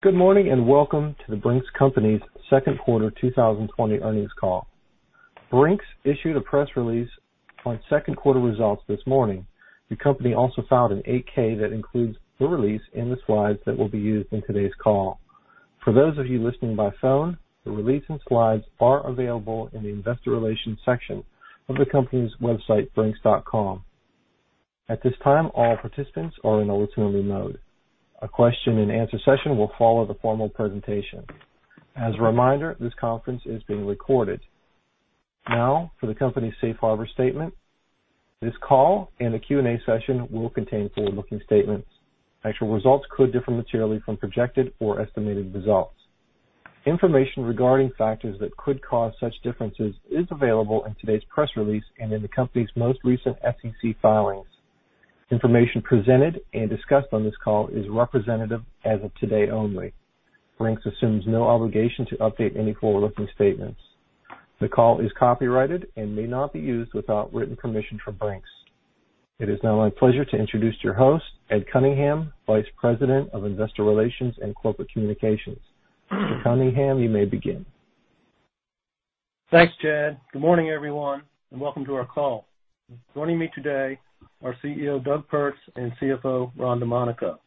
Good morning, welcome to The Brink's Company's second quarter 2020 earnings call. Brink's issued a press release on second quarter results this morning. The company also filed an 8-K that includes the release and the slides that will be used in today's call. For those of you listening by phone, the release and slides are available in the Investor Relations section of the company's website, brinks.com. At this time, all participants are in a listen-only mode. A question-and-answer session will follow the formal presentation. As a reminder, this conference is being recorded. Now, for the company's safe harbor statement. This call and the Q&A session will contain forward-looking statements. Actual results could differ materially from projected or estimated results. Information regarding factors that could cause such differences is available in today's press release and in the company's most recent SEC filings. Information presented and discussed on this call is representative as of today only. Brink's assumes no obligation to update any forward-looking statements. The call is copyrighted and may not be used without written permission from Brink's. It is now my pleasure to introduce your host, Ed Cunningham, Vice President of Investor Relations and Corporate Communications. Mr. Cunningham, you may begin. Thanks, Chad. Good morning, everyone, and welcome to our call. Joining me today are CEO, Doug Pertz, and CFO, Ron Domanico.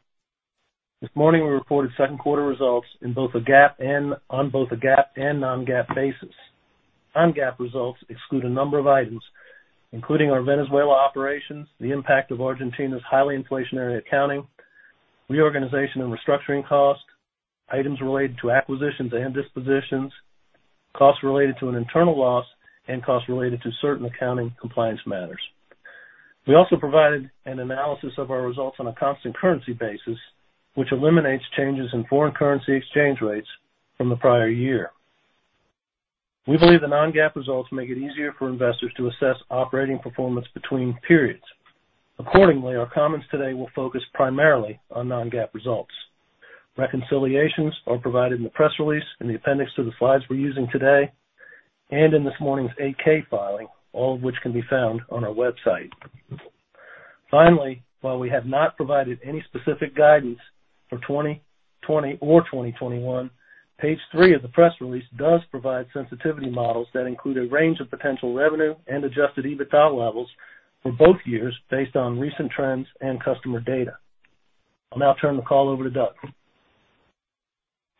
This morning, we reported second quarter results on both a GAAP and non-GAAP basis. Non-GAAP results exclude a number of items, including our Venezuela operations, the impact of Argentina's highly inflationary accounting, reorganization and restructuring costs, items related to acquisitions and dispositions, costs related to an internal loss, and costs related to certain accounting compliance matters. We also provided an analysis of our results on a constant currency basis, which eliminates changes in foreign currency exchange rates from the prior year. We believe the non-GAAP results make it easier for investors to assess operating performance between periods. Accordingly, our comments today will focus primarily on non-GAAP results. Reconciliations are provided in the press release, in the appendix to the slides we're using today, and in this morning's 8-K filing, all of which can be found on our website. Finally, while we have not provided any specific guidance for 2020 or 2021, page three of the press release does provide sensitivity models that include a range of potential revenue and adjusted EBITDA levels for both years based on recent trends and customer data. I'll now turn the call over to Doug.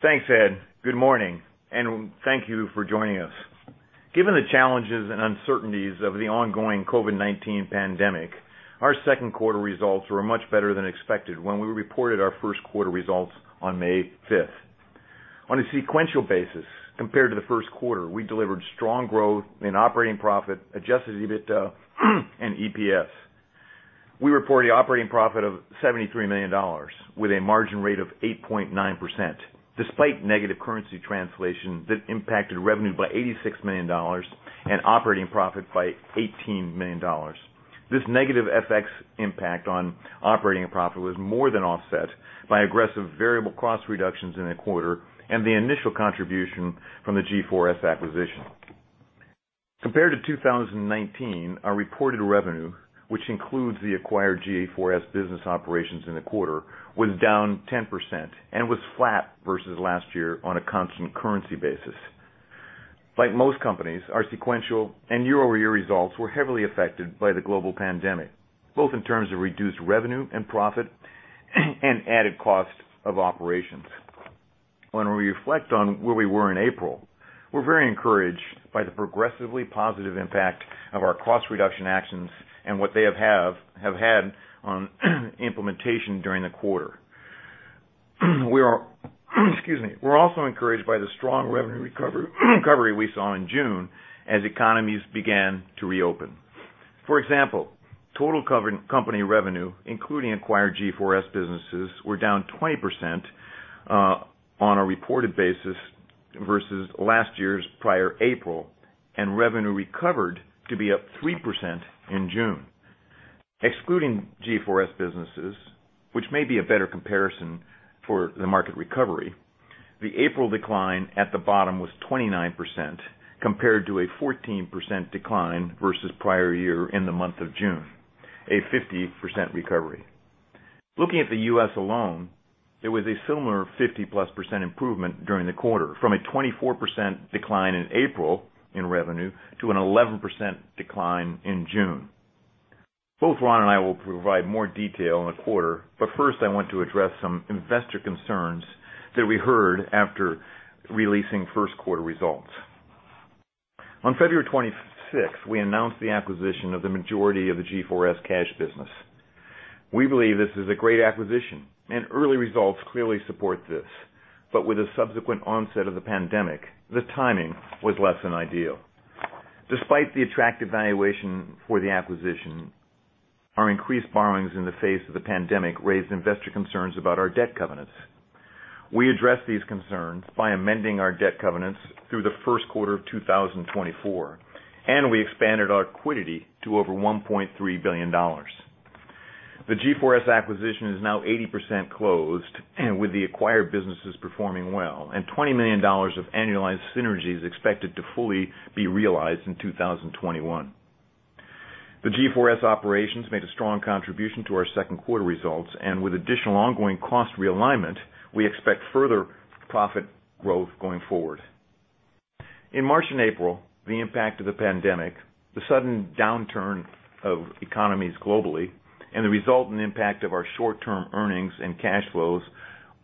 Thanks, Ed. Good morning, thank you for joining us. Given the challenges and uncertainties of the ongoing COVID-19 pandemic, our second quarter results were much better than expected when we reported our first quarter results on May 5th. On a sequential basis, compared to the first quarter, we delivered strong growth in operating profit, adjusted EBITDA, and EPS. We report the operating profit of $73 million, with a margin rate of 8.9%, despite negative currency translation that impacted revenue by $86 million and operating profit by $18 million. This negative FX impact on operating profit was more than offset by aggressive variable cost reductions in the quarter and the initial contribution from the G4S acquisition. Compared to 2019, our reported revenue, which includes the acquired G4S business operations in the quarter, was down 10% and was flat versus last year on a constant currency basis. Like most companies, our sequential and year-over-year results were heavily affected by the global pandemic, both in terms of reduced revenue and profit, and added cost of operations. When we reflect on where we were in April, we're very encouraged by the progressively positive impact of our cost reduction actions and what they have had on implementation during the quarter. Excuse me. We're also encouraged by the strong revenue recovery we saw in June as economies began to reopen. For example, total company revenue, including acquired G4S businesses, were down 20% on a reported basis versus last year's prior April, and revenue recovered to be up 3% in June. Excluding G4S businesses, which may be a better comparison for the market recovery, the April decline at the bottom was 29%, compared to a 14% decline versus prior year in the month of June, a 50% recovery. Looking at the U.S. alone, there was a similar 50%+ improvement during the quarter, from a 24% decline in April in revenue to an 11% decline in June. Both Ron and I will provide more detail on the quarter. First, I want to address some investor concerns that we heard after releasing first quarter results. On February 26th, we announced the acquisition of the majority of the G4S Cash business. We believe this is a great acquisition. Early results clearly support this. With the subsequent onset of the pandemic, the timing was less than ideal. Despite the attractive valuation for the acquisition, our increased borrowings in the face of the pandemic raised investor concerns about our debt covenants. We addressed these concerns by amending our debt covenants through the first quarter of 2024. We expanded our liquidity to over $1.3 billion. The G4S acquisition is now 80% closed with the acquired businesses performing well and $20 million of annualized synergies expected to fully be realized in 2021. The G4S operations made a strong contribution to our second quarter results, with additional ongoing cost realignment, we expect further profit growth going forward. In March and April, the impact of the pandemic, the sudden downturn of economies globally, the resultant impact of our short-term earnings and cash flows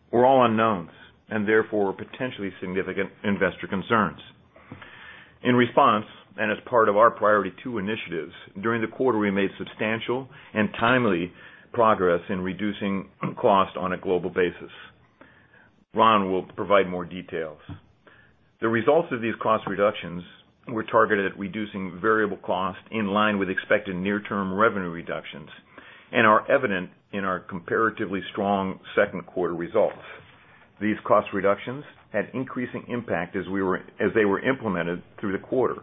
were all unknowns, therefore, were potentially significant investor concerns. In response, as part of our priority two initiatives, during the quarter, we made substantial and timely progress in reducing cost on a global basis. Ron will provide more details. The results of these cost reductions were targeted at reducing variable cost in line with expected near-term revenue reductions and are evident in our comparatively strong second quarter results. These cost reductions had increasing impact as they were implemented through the quarter.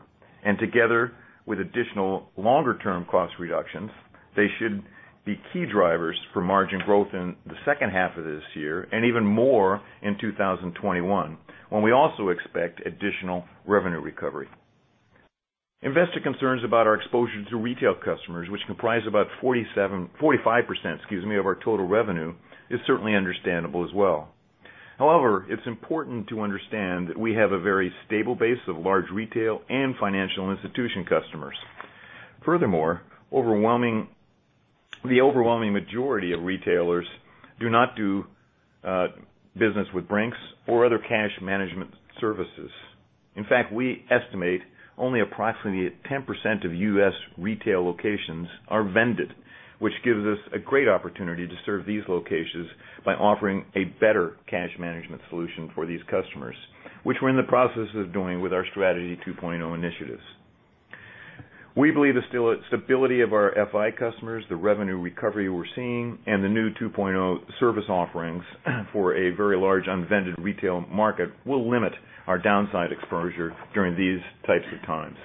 Together with additional longer-term cost reductions, they should be key drivers for margin growth in the second half of this year and even more in 2021, when we also expect additional revenue recovery. Investor concerns about our exposure to retail customers, which comprise about 45% of our total revenue, is certainly understandable as well. However, it's important to understand that we have a very stable base of large retail and financial institution customers. The overwhelming majority of retailers do not do business with Brink's or other Cash Management services. In fact, we estimate only approximately 10% of U.S. retail locations are vended, which gives us a great opportunity to serve these locations by offering a better Cash Management solution for these customers, which we're in the process of doing with our Strategy 2.0 initiatives. We believe the stability of our FI customers, the revenue recovery we're seeing, and the new 2.0 service offerings for a very large unvended retail market will limit our downside exposure during these types of times.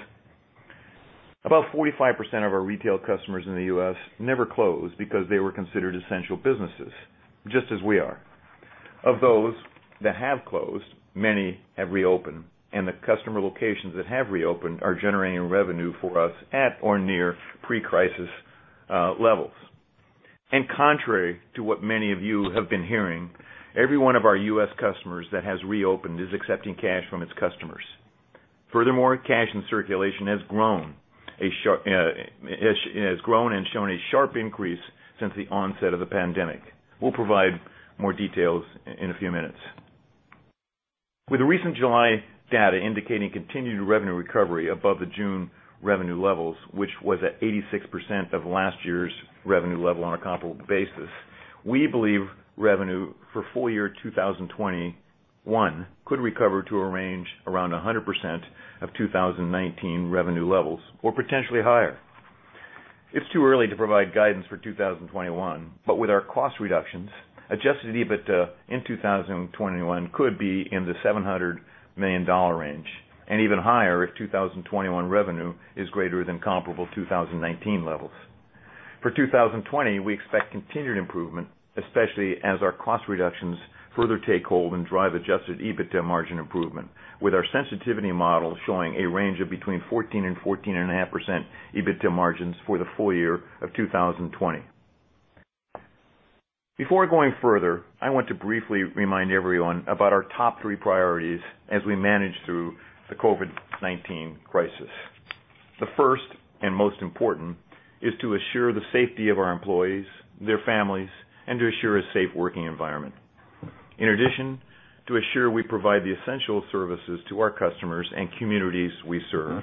About 45% of our retail customers in the U.S. never closed because they were considered essential businesses, just as we are. Of those that have closed, many have reopened, the customer locations that have reopened are generating revenue for us at or near pre-crisis levels. Contrary to what many of you have been hearing, every one of our U.S. customers that has reopened is accepting cash from its customers. Furthermore, cash in circulation has grown and shown a sharp increase since the onset of the pandemic. We'll provide more details in a few minutes. With the recent July data indicating continued revenue recovery above the June revenue levels, which was at 86% of last year's revenue level on a comparable basis, we believe revenue for full year 2021 could recover to a range around 100% of 2019 revenue levels or potentially higher. It's too early to provide guidance for 2021, but with our cost reductions, adjusted EBITDA in 2021 could be in the $700 million range, and even higher if 2021 revenue is greater than comparable 2019 levels. For 2020, we expect continued improvement, especially as our cost reductions further take hold and drive adjusted EBITDA margin improvement, with our sensitivity model showing a range of between 14% and 14.5% EBITDA margins for the full year of 2020. Before going further, I want to briefly remind everyone about our top three priorities as we manage through the COVID-19 crisis. The first and most important is to assure the safety of our employees, their families, and to assure a safe working environment. In addition, to assure we provide the essential services to our customers and communities we serve.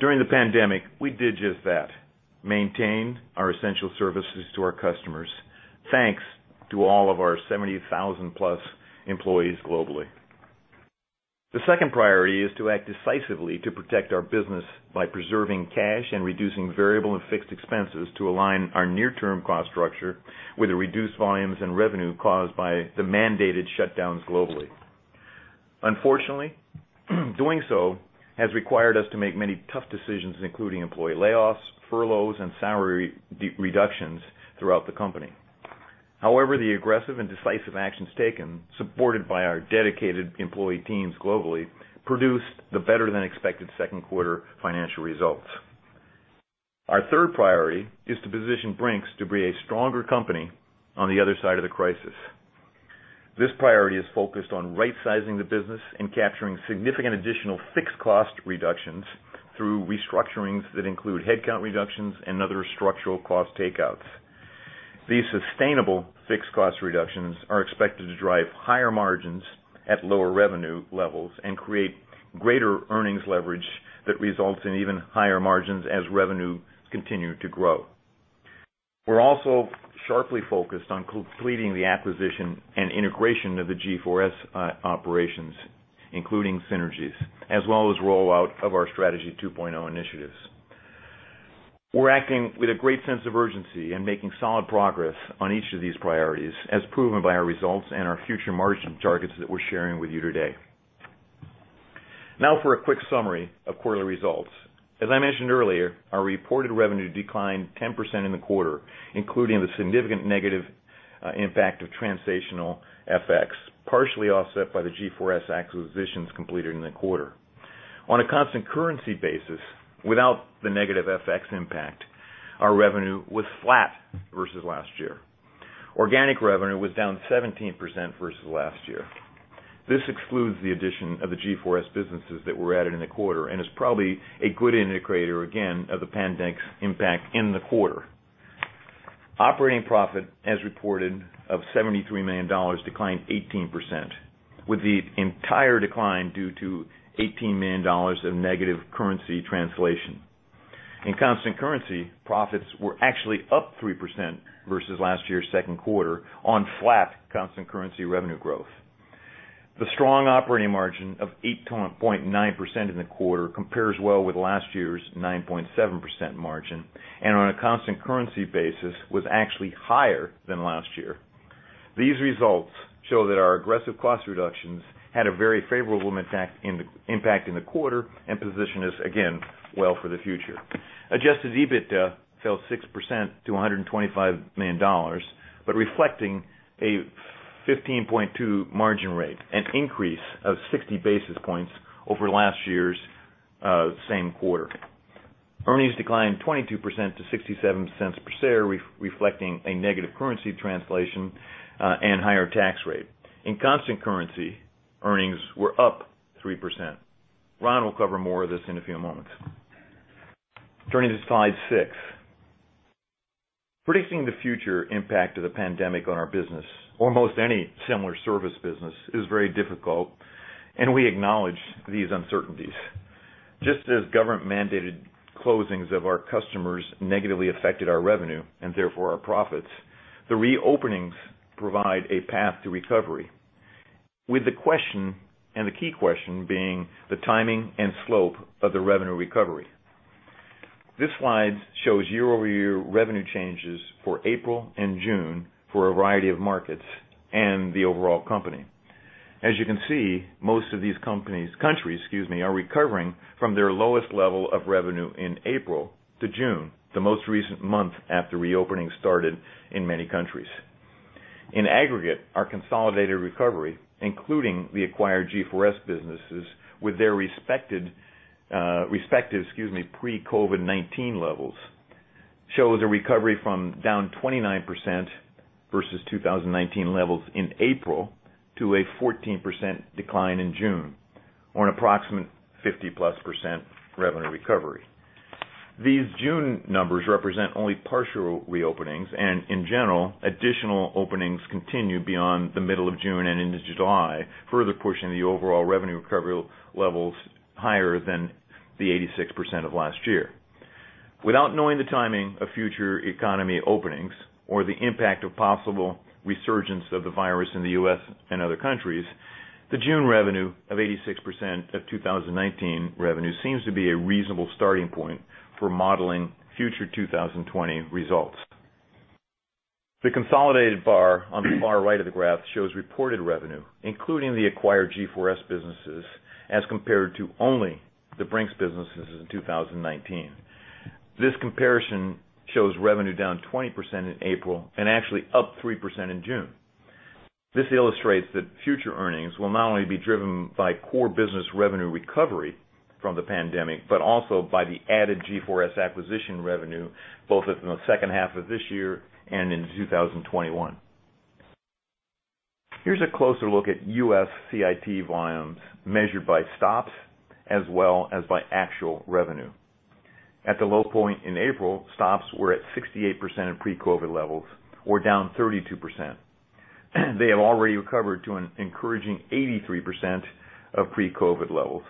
During the pandemic, we did just that, maintain our essential services to our customers, thanks to all of our 70,000+ employees globally. The second priority is to act decisively to protect our business by preserving cash and reducing variable and fixed expenses to align our near-term cost structure with the reduced volumes and revenue caused by the mandated shutdowns globally. Unfortunately, doing so has required us to make many tough decisions, including employee layoffs, furloughs, and salary reductions throughout the company. However, the aggressive and decisive actions taken, supported by our dedicated employee teams globally, produced the better-than-expected second quarter financial results. Our third priority is to position Brink's to be a stronger company on the other side of the crisis. This priority is focused on right-sizing the business and capturing significant additional fixed cost reductions through restructurings that include headcount reductions and other structural cost takeouts. These sustainable fixed cost reductions are expected to drive higher margins at lower revenue levels and create greater earnings leverage that results in even higher margins as revenue continue to grow. We're also sharply focused on completing the acquisition and integration of the G4S operations, including synergies, as well as rollout of our Strategy 2.0 initiatives. We're acting with a great sense of urgency and making solid progress on each of these priorities, as proven by our results and our future margin targets that we're sharing with you today. Now for a quick summary of quarterly results. As I mentioned earlier, our reported revenue declined 10% in the quarter, including the significant negative impact of translational FX, partially offset by the G4S acquisitions completed in the quarter. On a constant currency basis, without the negative FX impact, our revenue was flat versus last year. Organic revenue was down 17% versus last year. This excludes the addition of the G4S businesses that were added in the quarter, and is probably a good indicator, again, of the pandemic's impact in the quarter. Operating profit, as reported, of $73 million declined 18%, with the entire decline due to $18 million of negative currency translation. In constant currency, profits were actually up 3% versus last year's second quarter on flat constant currency revenue growth. The strong operating margin of 8.9% in the quarter compares well with last year's 9.7% margin, and on a constant currency basis, was actually higher than last year. These results show that our aggressive cost reductions had a very favorable impact in the quarter and position us, again, well for the future. Adjusted EBITDA fell 6% to $125 million, but reflecting a 15.2% margin rate, an increase of 60 basis points over last year's same quarter. Earnings declined 22% to $0.67 per share, reflecting a negative currency translation, and higher tax rate. In constant currency, earnings were up 3%. Ron will cover more of this in a few moments. Turning to slide six. Predicting the future impact of the pandemic on our business, or most any similar service business, is very difficult, and we acknowledge these uncertainties. Just as government-mandated closings of our customers negatively affected our revenue, and therefore our profits, the reopenings provide a path to recovery. The key question being, the timing and slope of the revenue recovery. This slide shows year-over-year revenue changes for April and June for a variety of markets and the overall company. As you can see, most of these countries, excuse me, are recovering from their lowest level of revenue in April to June, the most recent month after reopening started in many countries. In aggregate, our consolidated recovery, including the acquired G4S businesses with their respective pre-COVID-19 levels, shows a recovery from down 29% versus 2019 levels in April to a 14% decline in June, or an approximate 50%+ revenue recovery. In general, additional openings continued beyond the middle of June and into July, further pushing the overall revenue recovery levels higher than the 86% of last year. Without knowing the timing of future economy openings or the impact of possible resurgence of the virus in the U.S. and other countries, the June revenue of 86% of 2019 revenue seems to be a reasonable starting point for modeling future 2020 results. The consolidated bar on the far right of the graph shows reported revenue, including the acquired G4S businesses, as compared to only The Brink's businesses in 2019. This comparison shows revenue down 20% in April and actually up 3% in June. This illustrates that future earnings will not only be driven by core business revenue recovery from the pandemic, but also by the added G4S acquisition revenue, both in the second half of this year and in 2021. Here's a closer look at U.S. CIT volumes measured by stops, as well as by actual revenue. At the low point in April, stops were at 68% of pre-COVID levels, or down 32%. They have already recovered to an encouraging 83% of pre-COVID levels.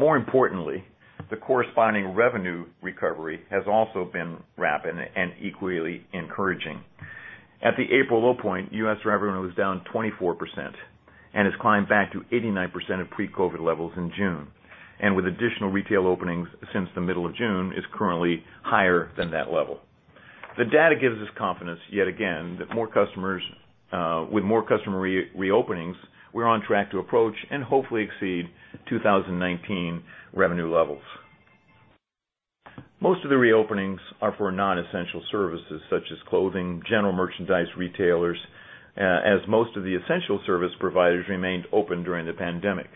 More importantly, the corresponding revenue recovery has also been rapid and equally encouraging. At the April low point, U.S. revenue was down 24% and has climbed back to 89% of pre-COVID levels in June. With additional retail openings since the middle of June, is currently higher than that level. The data gives us confidence, yet again, that with more customer reopenings, we're on track to approach, and hopefully exceed, 2019 revenue levels. Most of the reopenings are for non-essential services such as clothing, general merchandise retailers, as most of the essential service providers remained open during the pandemic.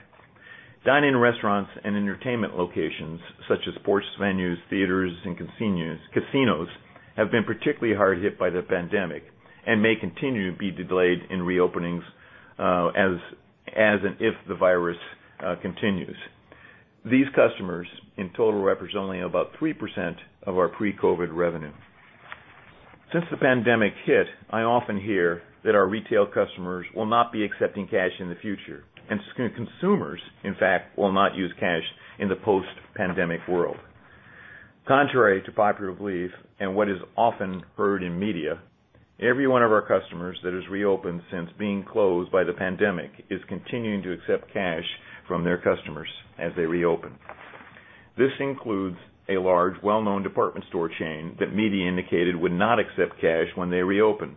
Dine-in restaurants and entertainment locations such as sports venues, theaters, and casinos have been particularly hard hit by the pandemic and may continue to be delayed in reopenings as and if the virus continues. These customers in total represent only about 3% of our pre-COVID-19 revenue. Since the pandemic hit, I often hear that our retail customers will not be accepting cash in the future, and consumers, in fact, will not use cash in the post-pandemic world. Contrary to popular belief and what is often heard in media, every one of our customers that has reopened since being closed by the pandemic is continuing to accept cash from their customers as they reopen. This includes a large well-known department store chain that media indicated would not accept cash when they reopened.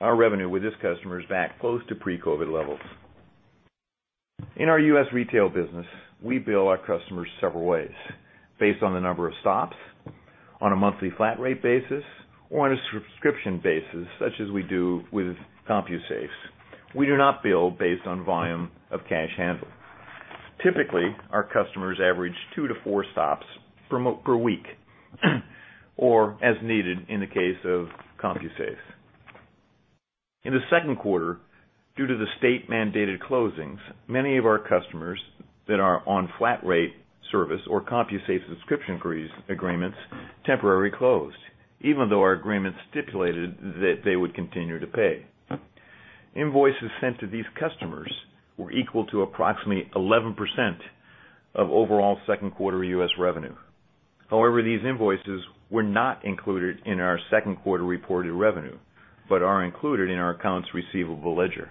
Our revenue with this customer is back close to pre-COVID-19 levels. In our U.S. Retail business, we bill our customers several ways: based on the number of stops. On a monthly flat rate basis or on a subscription basis, such as we do with CompuSafe. We do not bill based on volume of cash handled. Typically, our customers average two to four stops per week, or as needed in the case of CompuSafe. In the second quarter, due to the state-mandated closings, many of our customers that are on flat rate service or CompuSafe subscription agreements temporarily closed, even though our agreements stipulated that they would continue to pay. Invoices sent to these customers were equal to approximately 11% of overall second quarter U.S. revenue. However, these invoices were not included in our second quarter reported revenue, but are included in our accounts receivable ledger.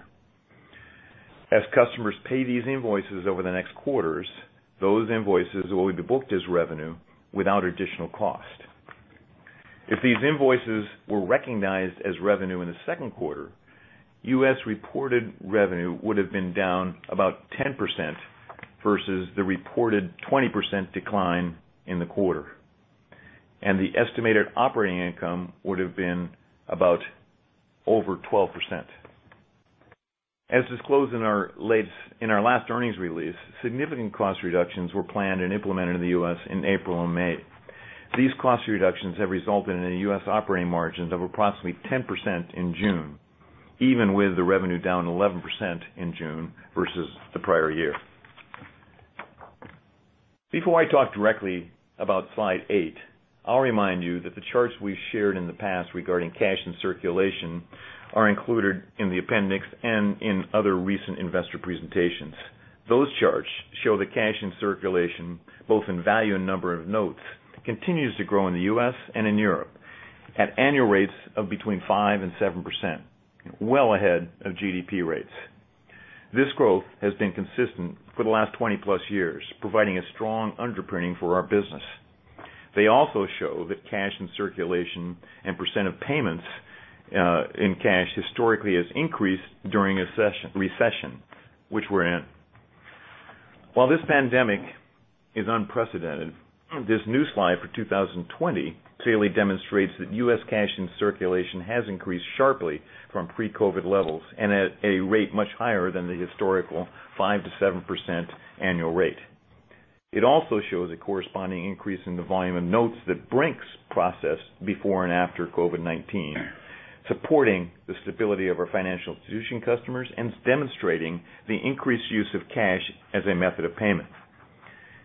As customers pay these invoices over the next quarters, those invoices will be booked as revenue without additional cost. If these invoices were recognized as revenue in the second quarter, U.S. reported revenue would've been down about 10% versus the reported 20% decline in the quarter. The estimated operating income would've been about over 12%. As disclosed in our last earnings release, significant cost reductions were planned and implemented in the U.S. in April and May. These cost reductions have resulted in a U.S. operating margin of approximately 10% in June, even with the revenue down 11% in June versus the prior year. Before I talk directly about slide eight, I'll remind you that the charts we shared in the past regarding cash in circulation are included in the appendix and in other recent investor presentations. Those charts show the cash in circulation, both in value and number of notes, continues to grow in the U.S. and in Europe at annual rates of between 5% and 7%, well ahead of GDP rates. This growth has been consistent for the last 20+ years, providing a strong underpinning for our business. They also show that cash in circulation and percent of payments in cash historically has increased during a recession, which we're in. While this pandemic is unprecedented, this new slide for 2020 clearly demonstrates that U.S. cash in circulation has increased sharply from pre-COVID levels and at a rate much higher than the historical 5%-7% annual rate. It also shows a corresponding increase in the volume of notes that Brink's processed before and after COVID-19, supporting the stability of our financial institution customers and demonstrating the increased use of cash as a method of payment.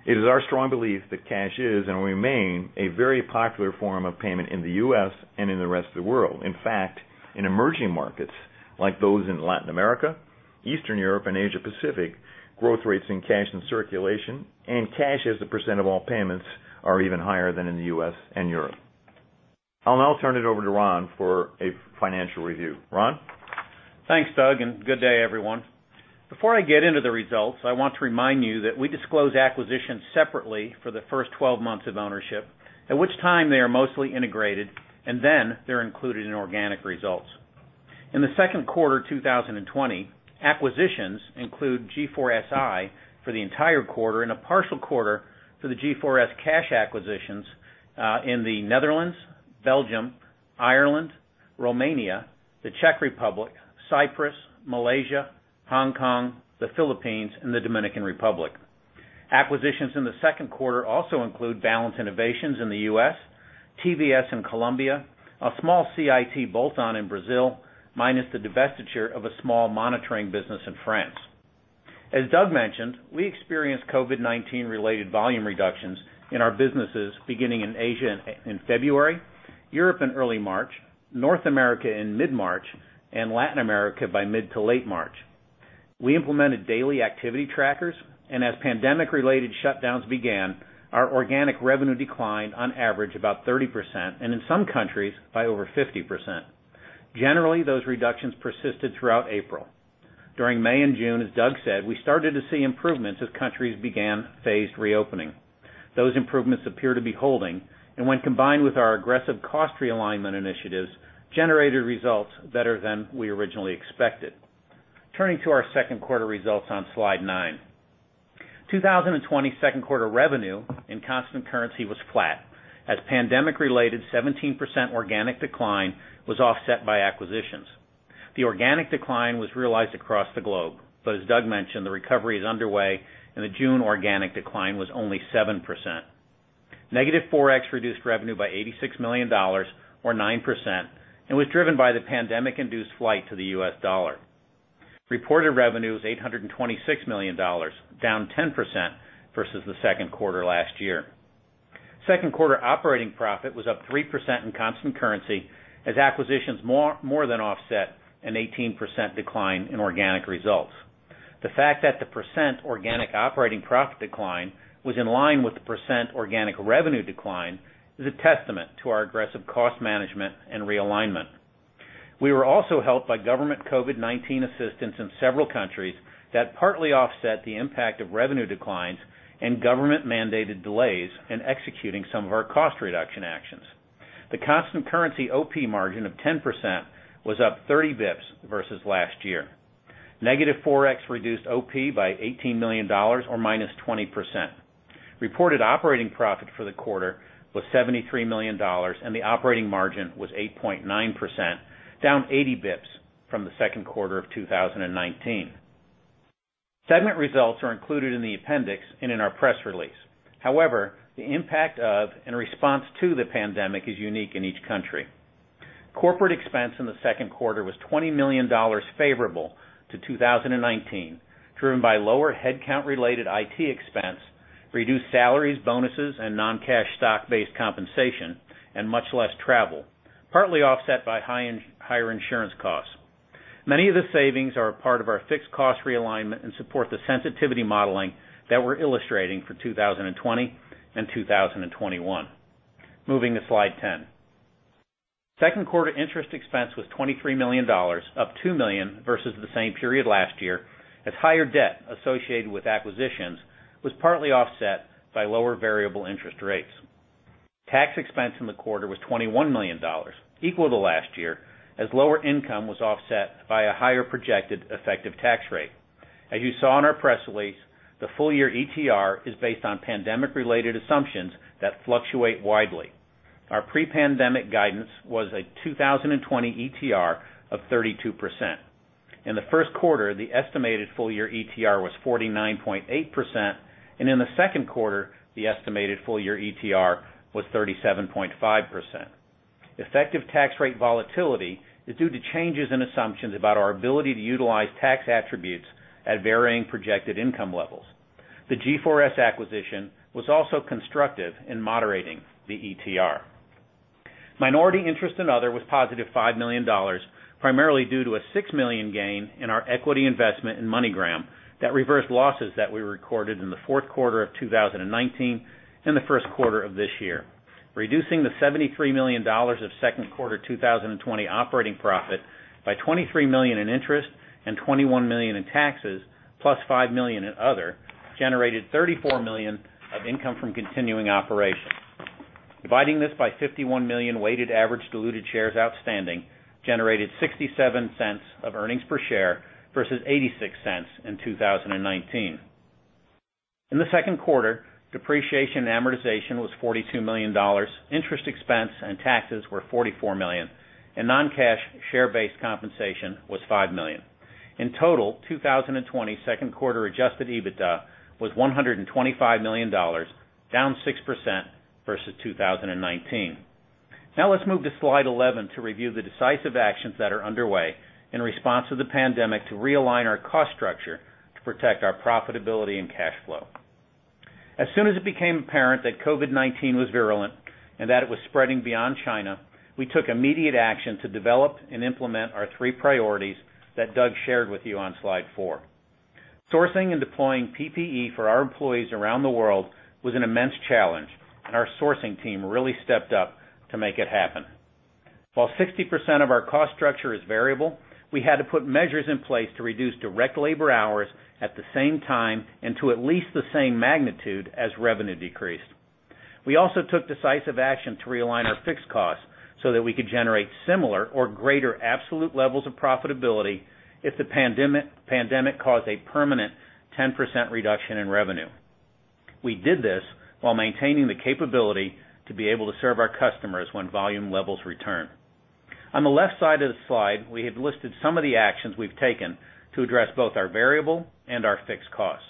It is our strong belief that cash is and will remain a very popular form of payment in the U.S. and in the rest of the world. In emerging markets, like those in Latin America, Eastern Europe, and Asia Pacific, growth rates in cash in circulation and cash as a percent of all payments are even higher than in the U.S. and Europe. I'll now turn it over to Ron for a financial review. Ron? Thanks, Doug, and good day, everyone. Before I get into the results, I want to remind you that we disclose acquisitions separately for the first 12 months of ownership, at which time they are mostly integrated, and then they're included in organic results. In the second quarter 2020, acquisitions include G4Si for the entire quarter and a partial quarter for the G4S Cash acquisitions in the Netherlands, Belgium, Ireland, Romania, the Czech Republic, Cyprus, Malaysia, Hong Kong, the Philippines, and the Dominican Republic. Acquisitions in the second quarter also include Balance Innovations in the U.S., TVS in Colombia, a small CIT bolt-on in Brazil, minus the divestiture of a small monitoring business in France. As Doug mentioned, we experienced COVID-19-related volume reductions in our businesses beginning in Asia in February, Europe in early March, North America in mid-March, and Latin America by mid to late March. We implemented daily activity trackers, and as pandemic-related shutdowns began, our organic revenue declined on average about 30%, and in some countries, by over 50%. Generally, those reductions persisted throughout April. During May and June, as Doug said, we started to see improvements as countries began phased reopening. Those improvements appear to be holding, and when combined with our aggressive cost realignment initiatives, generated results better than we originally expected. Turning to our second quarter results on slide nine. 2020 second quarter revenue in constant currency was flat as pandemic-related 17% organic decline was offset by acquisitions. The organic decline was realized across the globe, but as Doug mentioned, the recovery is underway, and the June organic decline was only 7%. Negative forex reduced revenue by $86 million, or 9%, and was driven by the pandemic-induced flight to the U.S. dollar. Reported revenue was $826 million, down 10% versus the second quarter last year. Second quarter operating profit was up 3% in constant currency as acquisitions more than offset an 18% decline in organic results. The fact that the percent organic operating profit decline was in line with the percent organic revenue decline is a testament to our aggressive cost management and realignment. We were also helped by government COVID-19 assistance in several countries that partly offset the impact of revenue declines and government-mandated delays in executing some of our cost reduction actions. The constant currency OP margin of 10% was up 30 basis points versus last year. Negative forex reduced OP by $18 million or -20%. Reported operating profit for the quarter was $73 million and the operating margin was 8.9%, down 80 basis points from the second quarter of 2019. Segment results are included in the appendix and in our press release. However, the impact of and response to the pandemic is unique in each country. Corporate expense in the second quarter was $20 million favorable to 2019, driven by lower headcount-related IT expense, reduced salaries, bonuses, and non-cash stock-based compensation, and much less travel, partly offset by higher insurance costs. Many of the savings are a part of our fixed cost realignment and support the sensitivity modeling that we're illustrating for 2020 and 2021. Moving to slide 10. Second quarter interest expense was $23 million, up $2 million versus the same period last year, as higher debt associated with acquisitions was partly offset by lower variable interest rates. Tax expense in the quarter was $21 million, equal to last year, as lower income was offset by a higher projected effective tax rate. As you saw in our press release, the full-year ETR is based on pandemic-related assumptions that fluctuate widely. Our pre-pandemic guidance was a 2020 ETR of 32%. In the first quarter, the estimated full-year ETR was 49.8%, and in the second quarter, the estimated full-year ETR was 37.5%. Effective tax rate volatility is due to changes in assumptions about our ability to utilize tax attributes at varying projected income levels. The G4S acquisition was also constructive in moderating the ETR. Minority interest and other was positive $5 million, primarily due to a $6 million gain in our equity investment in MoneyGram that reversed losses that we recorded in the fourth quarter of 2019 and the first quarter of this year. Reducing the $73 million of second quarter 2020 operating profit by $23 million in interest and $21 million in taxes, plus $5 million in other, generated $34 million of income from continuing operations. Dividing this by 51 million weighted average diluted shares outstanding generated $0.67 of earnings per share versus $0.86 in 2019. In the second quarter, depreciation and amortization was $42 million, interest expense and taxes were $44 million, and non-cash share-based compensation was $5 million. In total, 2020 second quarter adjusted EBITDA was $125 million, down 6% versus 2019. Let's move to slide 11 to review the decisive actions that are underway in response to the pandemic to realign our cost structure to protect our profitability and cash flow. As soon as it became apparent that COVID-19 was virulent and that it was spreading beyond China, we took immediate action to develop and implement our three priorities that Doug shared with you on slide four. Sourcing and deploying PPE for our employees around the world was an immense challenge, and our sourcing team really stepped up to make it happen. While 60% of our cost structure is variable, we had to put measures in place to reduce direct labor hours at the same time and to at least the same magnitude as revenue decreased. We also took decisive action to realign our fixed costs so that we could generate similar or greater absolute levels of profitability if the pandemic caused a permanent 10% reduction in revenue. We did this while maintaining the capability to be able to serve our customers when volume levels return. On the left side of the slide, we have listed some of the actions we've taken to address both our variable and our fixed costs.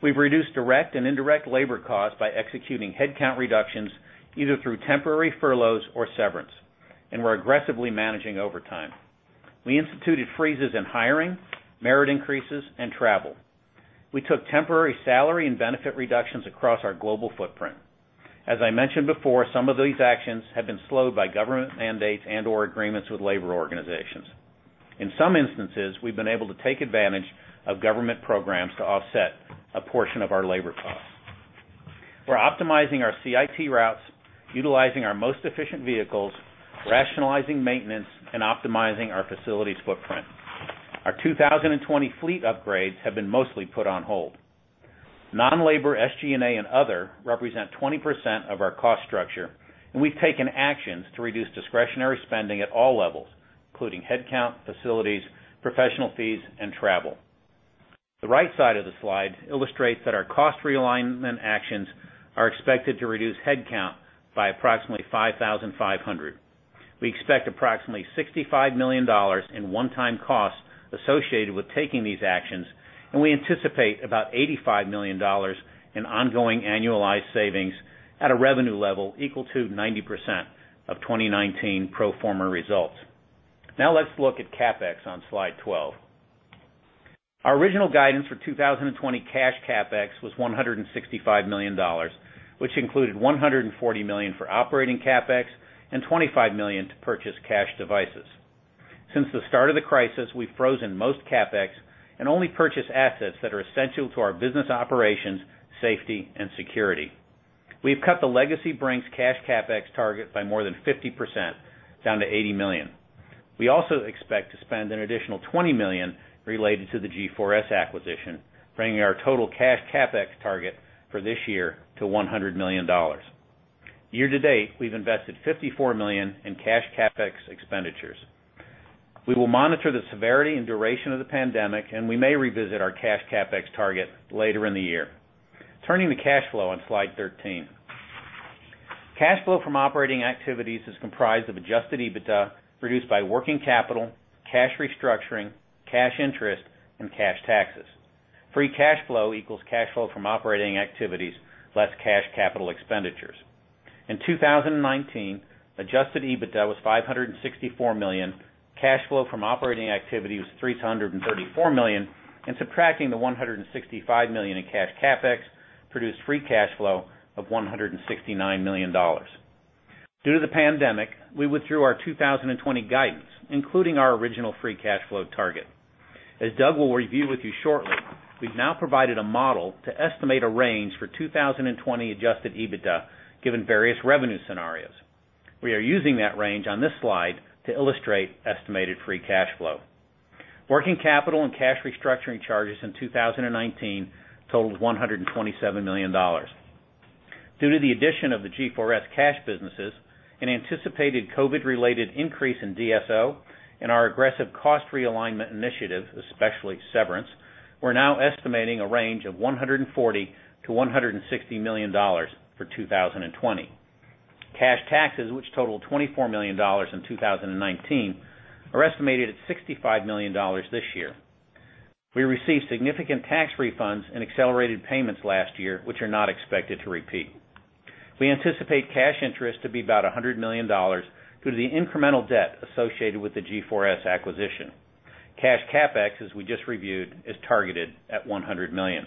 We've reduced direct and indirect labor costs by executing headcount reductions, either through temporary furloughs or severance, and we're aggressively managing overtime. We instituted freezes in hiring, merit increases, and travel. We took temporary salary and benefit reductions across our global footprint. As I mentioned before, some of these actions have been slowed by government mandates and/or agreements with labor organizations. In some instances, we've been able to take advantage of government programs to offset a portion of our labor costs. We're optimizing our CIT routes, utilizing our most efficient vehicles, rationalizing maintenance, and optimizing our facilities footprint. Our 2020 fleet upgrades have been mostly put on hold. Non-labor SG&A and other represent 20% of our cost structure, and we've taken actions to reduce discretionary spending at all levels, including headcount, facilities, professional fees, and travel. The right side of the slide illustrates that our cost realignment actions are expected to reduce headcount by approximately 5,500. We expect approximately $65 million in one-time costs associated with taking these actions, and we anticipate about $85 million in ongoing annualized savings at a revenue level equal to 90% of 2019 pro forma results. Let's look at CapEx on slide 12. Our original guidance for 2020 cash CapEx was $165 million, which included $140 million for operating CapEx and $25 million to purchase cash devices. Since the start of the crisis, we've frozen most CapEx and only purchased assets that are essential to our business operations, safety, and security. We've cut the legacy Brink's cash CapEx target by more than 50%, down to $80 million. We also expect to spend an additional $20 million related to the G4S acquisition, bringing our total cash CapEx target for this year to $100 million. Year-to-date, we've invested $54 million in cash CapEx expenditures. We will monitor the severity and duration of the pandemic, and we may revisit our cash CapEx target later in the year. Turning to cash flow on slide 13. Cash flow from operating activities is comprised of adjusted EBITDA, reduced by working capital, cash restructuring, cash interest, and cash taxes. Free cash flow equals cash flow from operating activities, less cash capital expenditures. In 2019, adjusted EBITDA was $564 million, cash flow from operating activity was $334 million, and subtracting the $165 million in cash CapEx, produced free cash flow of $169 million. Due to the pandemic, we withdrew our 2020 guidance, including our original free cash flow target. As Doug will review with you shortly, we've now provided a model to estimate a range for 2020 adjusted EBITDA, given various revenue scenarios. We are using that range on this slide to illustrate estimated free cash flow. Working capital and cash restructuring charges in 2019 totaled $127 million. Due to the addition of the G4S Cash businesses, an anticipated COVID related increase in DSO, and our aggressive cost realignment initiative, especially severance, we're now estimating a range of $140 million-$160 million for 2020. Cash taxes, which totaled $24 million in 2019, are estimated at $65 million this year. We received significant tax refunds and accelerated payments last year, which are not expected to repeat. We anticipate cash interest to be about $100 million due to the incremental debt associated with the G4S acquisition. Cash CapEx, as we just reviewed, is targeted at $100 million.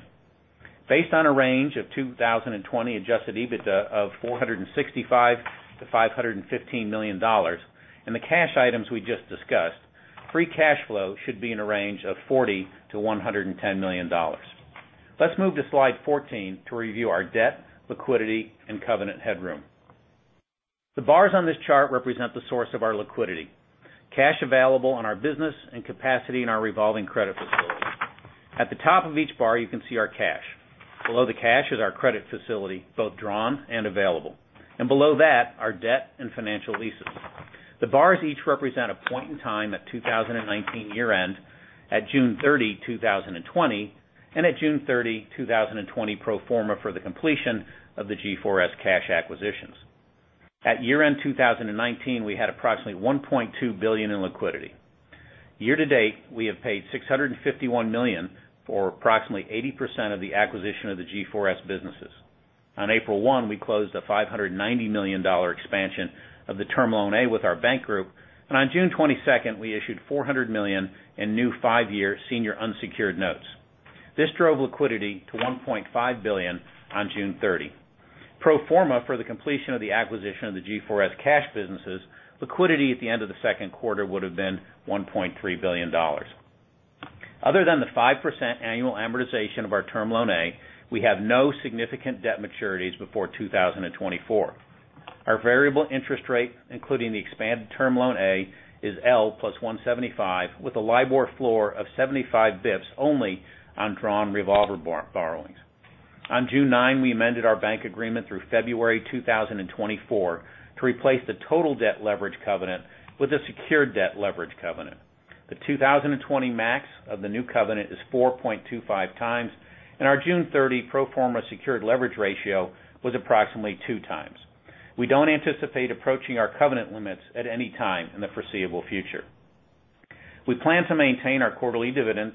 Based on a range of 2020 adjusted EBITDA of $465 million-$515 million, and the cash items we just discussed, free cash flow should be in a range of $40 million-$110 million. Let's move to slide 14 to review our debt, liquidity, and covenant headroom. The bars on this chart represent the source of our liquidity, cash available on our business, and capacity in our revolving credit facility. At the top of each bar, you can see our cash. Below the cash is our credit facility, both drawn and available. Below that, our debt and financial leases. The bars each represent a point in time at 2019 year-end, at June 30, 2020, and at June 30, 2020 pro forma for the completion of the G4S Cash acquisitions. At year-end 2019, we had approximately $1.2 billion in liquidity. Year-to-date, we have paid $651 million for approximately 80% of the acquisition of the G4S businesses. On April 1, we closed a $590 million expansion of the Term Loan A with our bank group. On June 22nd, we issued $400 million in new five-year senior unsecured notes. This drove liquidity to $1.5 billion on June 30. Pro forma for the completion of the acquisition of the G4S Cash businesses, liquidity at the end of the second quarter would've been $1.3 billion. Other than the 5% annual amortization of our Term Loan A, we have no significant debt maturities before 2024. Our variable interest rate, including the expanded Term Loan A, is L + 175, with a LIBOR floor of 75 basis points only on drawn revolver borrowings. On June 9, we amended our bank agreement through February 2024 to replace the total debt leverage covenant with a secured debt leverage covenant. The 2020 max of the new covenant is 4.25x, and our June 30 pro forma secured leverage ratio was approximately 2x. We don't anticipate approaching our covenant limits at any time in the foreseeable future. We plan to maintain our quarterly dividend.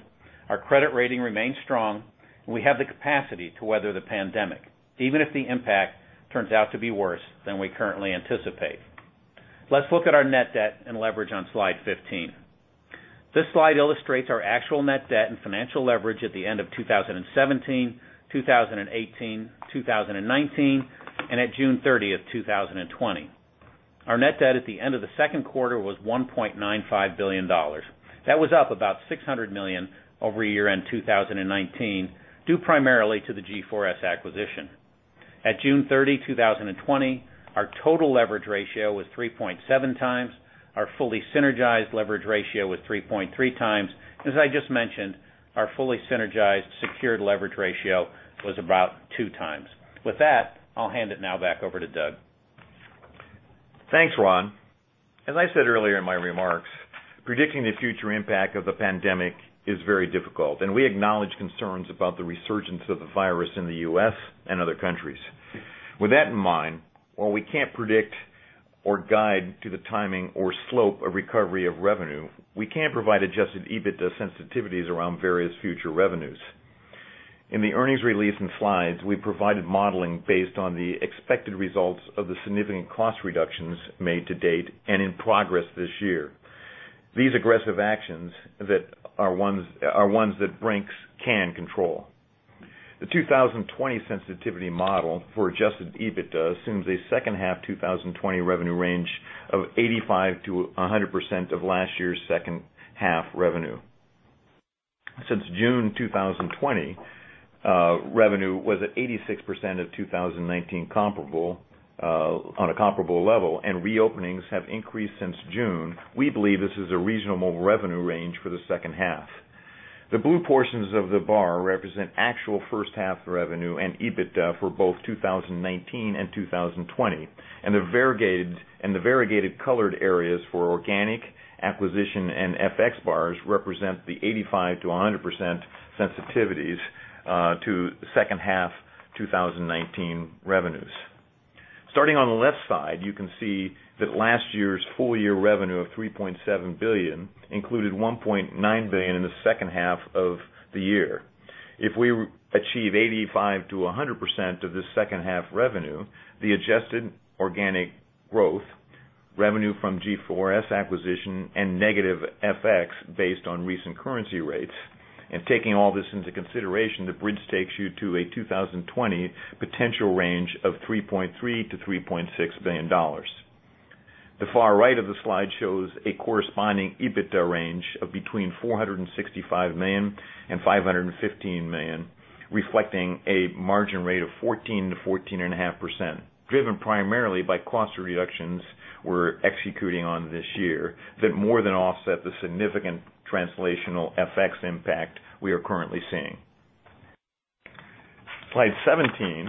Our credit rating remains strong, and we have the capacity to weather the pandemic, even if the impact turns out to be worse than we currently anticipate. Let's look at our net debt and leverage on slide 15. This slide illustrates our actual net debt and financial leverage at the end of 2017, 2018, 2019, and at June 30th, 2020. Our net debt at the end of the second quarter was $1.95 billion. That was up about $600 million over year-end 2019, due primarily to the G4S acquisition. At June 30, 2020, our total leverage ratio was 3.7x. Our fully synergized leverage ratio was 3.3x. As I just mentioned, our fully synergized secured leverage ratio was about 2x. With that, I'll hand it now back over to Doug. Thanks, Ron. As I said earlier in my remarks, predicting the future impact of the pandemic is very difficult, and we acknowledge concerns about the resurgence of the virus in the U.S. and other countries. With that in mind, while we can't predict or guide to the timing or slope of recovery of revenue, we can provide adjusted EBITDA sensitivities around various future revenues. In the earnings release and slides, we provided modeling based on the expected results of the significant cost reductions made to date and in progress this year. These aggressive actions are ones that Brink's can control. The 2020 sensitivity model for adjusted EBITDA assumes a second half 2020 revenue range of 85%-100% of last year's second half revenue. Since June 2020, revenue was at 86% of 2019 on a comparable level, and reopenings have increased since June. We believe this is a reasonable revenue range for the second half. The blue portions of the bar represent actual first half revenue and EBITDA for both 2019 and 2020. The variegated colored areas for organic acquisition and FX bars represent the 85%-100% sensitivities to second half 2019 revenues. Starting on the left side, you can see that last year's full year revenue of $3.7 billion included $1.9 billion in the second half of the year. If we achieve 85%-100% of this second half revenue, the adjusted organic growth, revenue from G4S acquisition, and negative FX based on recent currency rates, and taking all this into consideration, the bridge takes you to a 2020 potential range of $3.3 billion-$3.6 billion. The far right of the slide shows a corresponding EBITDA range of between $465 million and $515 million, reflecting a margin rate of 14% to 14.5%, driven primarily by cost reductions we're executing on this year that more than offset the significant translational FX impact we are currently seeing. Slide 17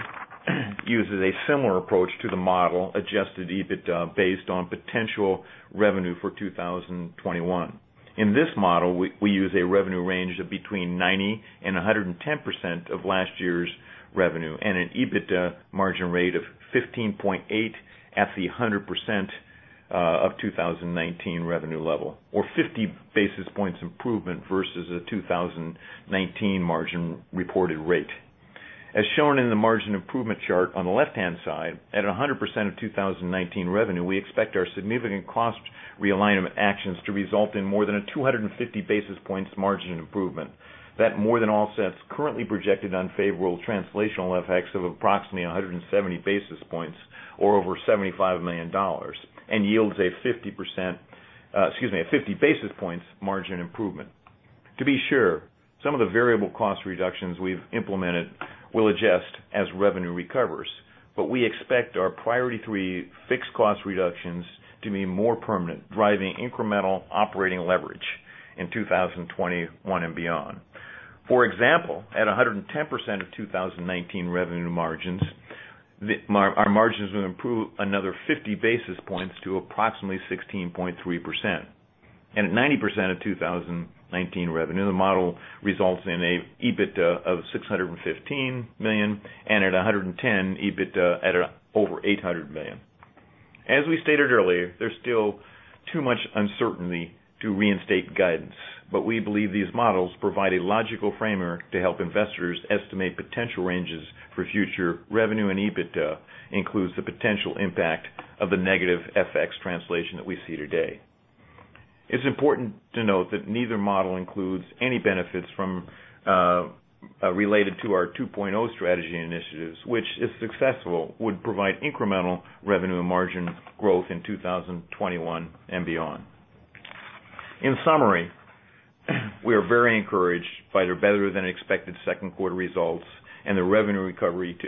uses a similar approach to the model adjusted EBITDA based on potential revenue for 2021. In this model, we use a revenue range of between 90% and 110% of last year's revenue, and an EBITDA margin rate of 15.8% at the 100% of 2019 revenue level, or 50 basis points improvement versus a 2019 margin reported rate. As shown in the margin improvement chart on the left-hand side, at 100% of 2019 revenue, we expect our significant cost realignment actions to result in more than a 250 basis points margin improvement. That more than offsets currently projected unfavorable translational effects of approximately 170 basis points, or over $75 million, and yields a 50 basis points margin improvement. To be sure, some of the variable cost reductions we've implemented will adjust as revenue recovers, but we expect our priority three fixed cost reductions to be more permanent, driving incremental operating leverage in 2021 and beyond. For example, at 110% of 2019 revenue margins, our margins will improve another 50 basis points to approximately 16.3%. At 90% of 2019 revenue, the model results in an EBITDA of $615 million and at 110% EBITDA at over $800 million. As we stated earlier, there's still too much uncertainty to reinstate guidance. We believe these models provide a logical framework to help investors estimate potential ranges for future revenue and EBITDA, includes the potential impact of the negative FX translation that we see today. It's important to note that neither model includes any benefits related to our 2.0 Strategy initiatives, which, if successful, would provide incremental revenue and margin growth in 2021 and beyond. In summary, we are very encouraged by their better than expected second quarter results and the revenue recovery to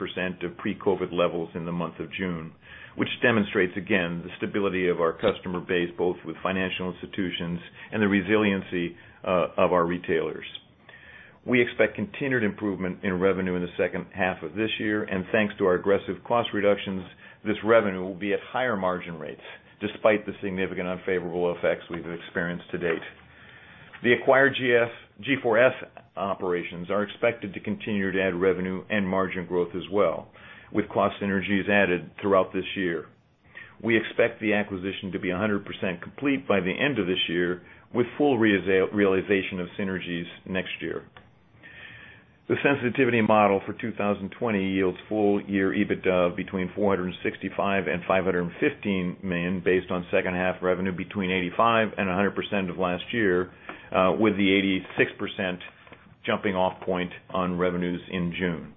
86% of pre-COVID-19 levels in the month of June, which demonstrates again, the stability of our customer base, both with financial institutions and the resiliency of our retailers. We expect continued improvement in revenue in the second half of this year, and thanks to our aggressive cost reductions, this revenue will be at higher margin rates, despite the significant unfavorable effects we've experienced to date. The acquired G4S operations are expected to continue to add revenue and margin growth as well, with cost synergies added throughout this year. We expect the acquisition to be 100% complete by the end of this year, with full realization of synergies next year. The sensitivity model for 2020 yields full year EBITDA between $465 million and $515 million, based on second half revenue between 85% and 100% of last year, with the 86% jumping off point on revenues in June.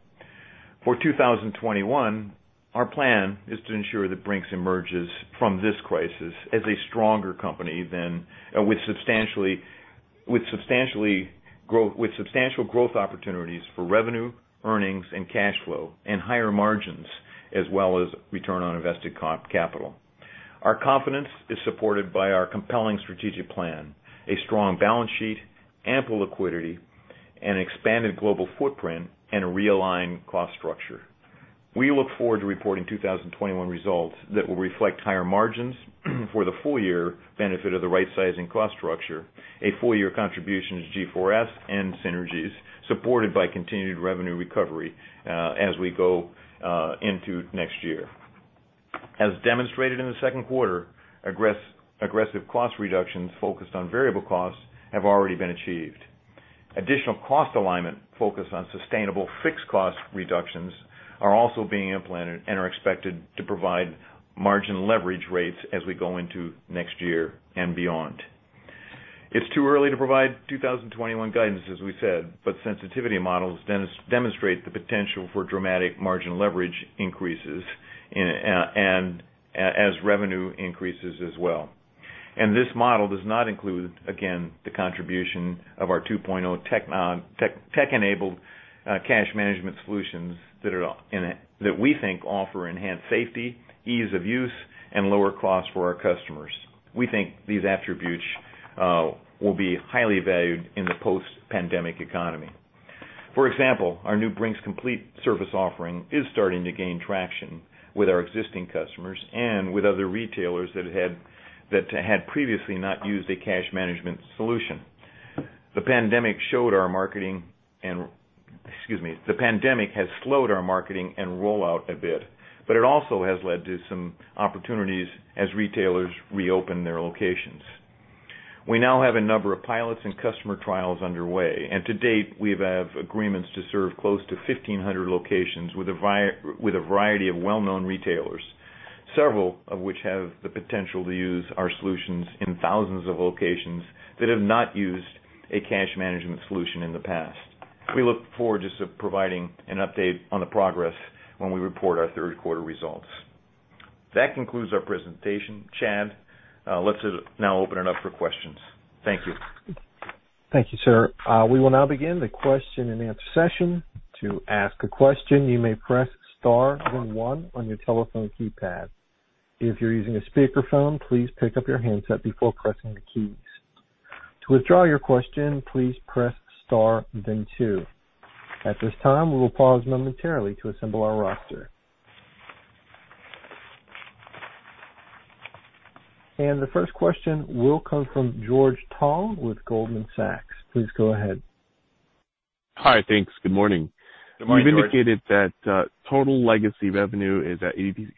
For 2021, our plan is to ensure that Brink's emerges from this crisis as a stronger company with substantial growth opportunities for revenue, earnings, and cash flow, and higher margins, as well as return on invested capital. Our confidence is supported by our compelling strategic plan, a strong balance sheet, ample liquidity, an expanded global footprint, and a realigned cost structure. We look forward to reporting 2021 results that will reflect higher margins for the full year benefit of the right sizing cost structure, a full year contributions G4S, and synergies supported by continued revenue recovery as we go into next year. As demonstrated in the second quarter, aggressive cost reductions focused on variable costs have already been achieved. Additional cost alignment focused on sustainable fixed cost reductions are also being implemented and are expected to provide margin leverage rates as we go into next year and beyond. It's too early to provide 2021 guidance, as we said, sensitivity models demonstrate the potential for dramatic margin leverage increases as revenue increases as well. This model does not include, again, the contribution of our 2.0 tech-enabled Cash Management solutions that we think offer enhanced safety, ease of use, and lower cost for our customers. We think these attributes will be highly valued in the post-pandemic economy. For example, our new Brink's Complete Service offering is starting to gain traction with our existing customers and with other retailers that had previously not used a Cash Management solution. The pandemic has slowed our marketing and rollout a bit, but it also has led to some opportunities as retailers reopen their locations. We now have a number of pilots and customer trials underway, and to date, we have agreements to serve close to 1,500 locations with a variety of well-known retailers, several of which have the potential to use our solutions in thousands of locations that have not used a Cash Management solution in the past. We look forward to providing an update on the progress when we report our third quarter results. That concludes our presentation. Chad, let's now open it up for questions. Thank you. Thank you, sir. We will now begin the question-and-answer session. To ask a question, you may press star then one on your telephone keypad. If you're using a speakerphone, please pick up your handset before pressing the keys. To withdraw your question, please press star then two. At this time, we will pause momentarily to assemble our roster. The first question will come from George Tong with Goldman Sachs. Please go ahead. Hi. Thanks. Good morning. Good morning, George. You've indicated that total legacy revenue is at 86%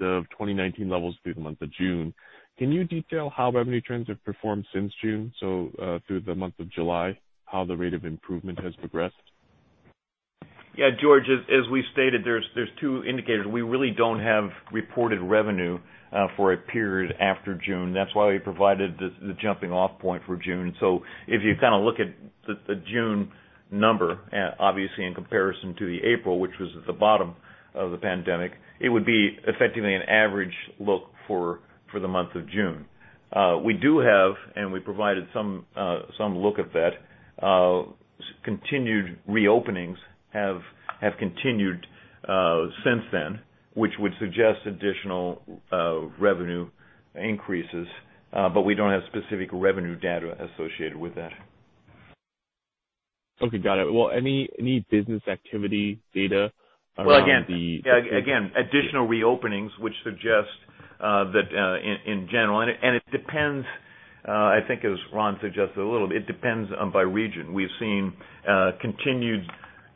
of 2019 levels through the month of June. Can you detail how revenue trends have performed since June? Through the month of July, how the rate of improvement has progressed? George, as we stated, there's two indicators. We really don't have reported revenue for a period after June. That's why we provided the jumping off point for June. If you look at the June number, obviously in comparison to the April, which was at the bottom of the pandemic, it would be effectively an average look for the month of June. We do have, and we provided some look at that, continued reopenings have continued since then, which would suggest additional revenue increases. We don't have specific revenue data associated with that. Okay. Got it. Well, any business activity data around the? Again, additional reopenings, which suggest that in general, and it depends, I think as Ron suggested a little, it depends by region. We've seen continued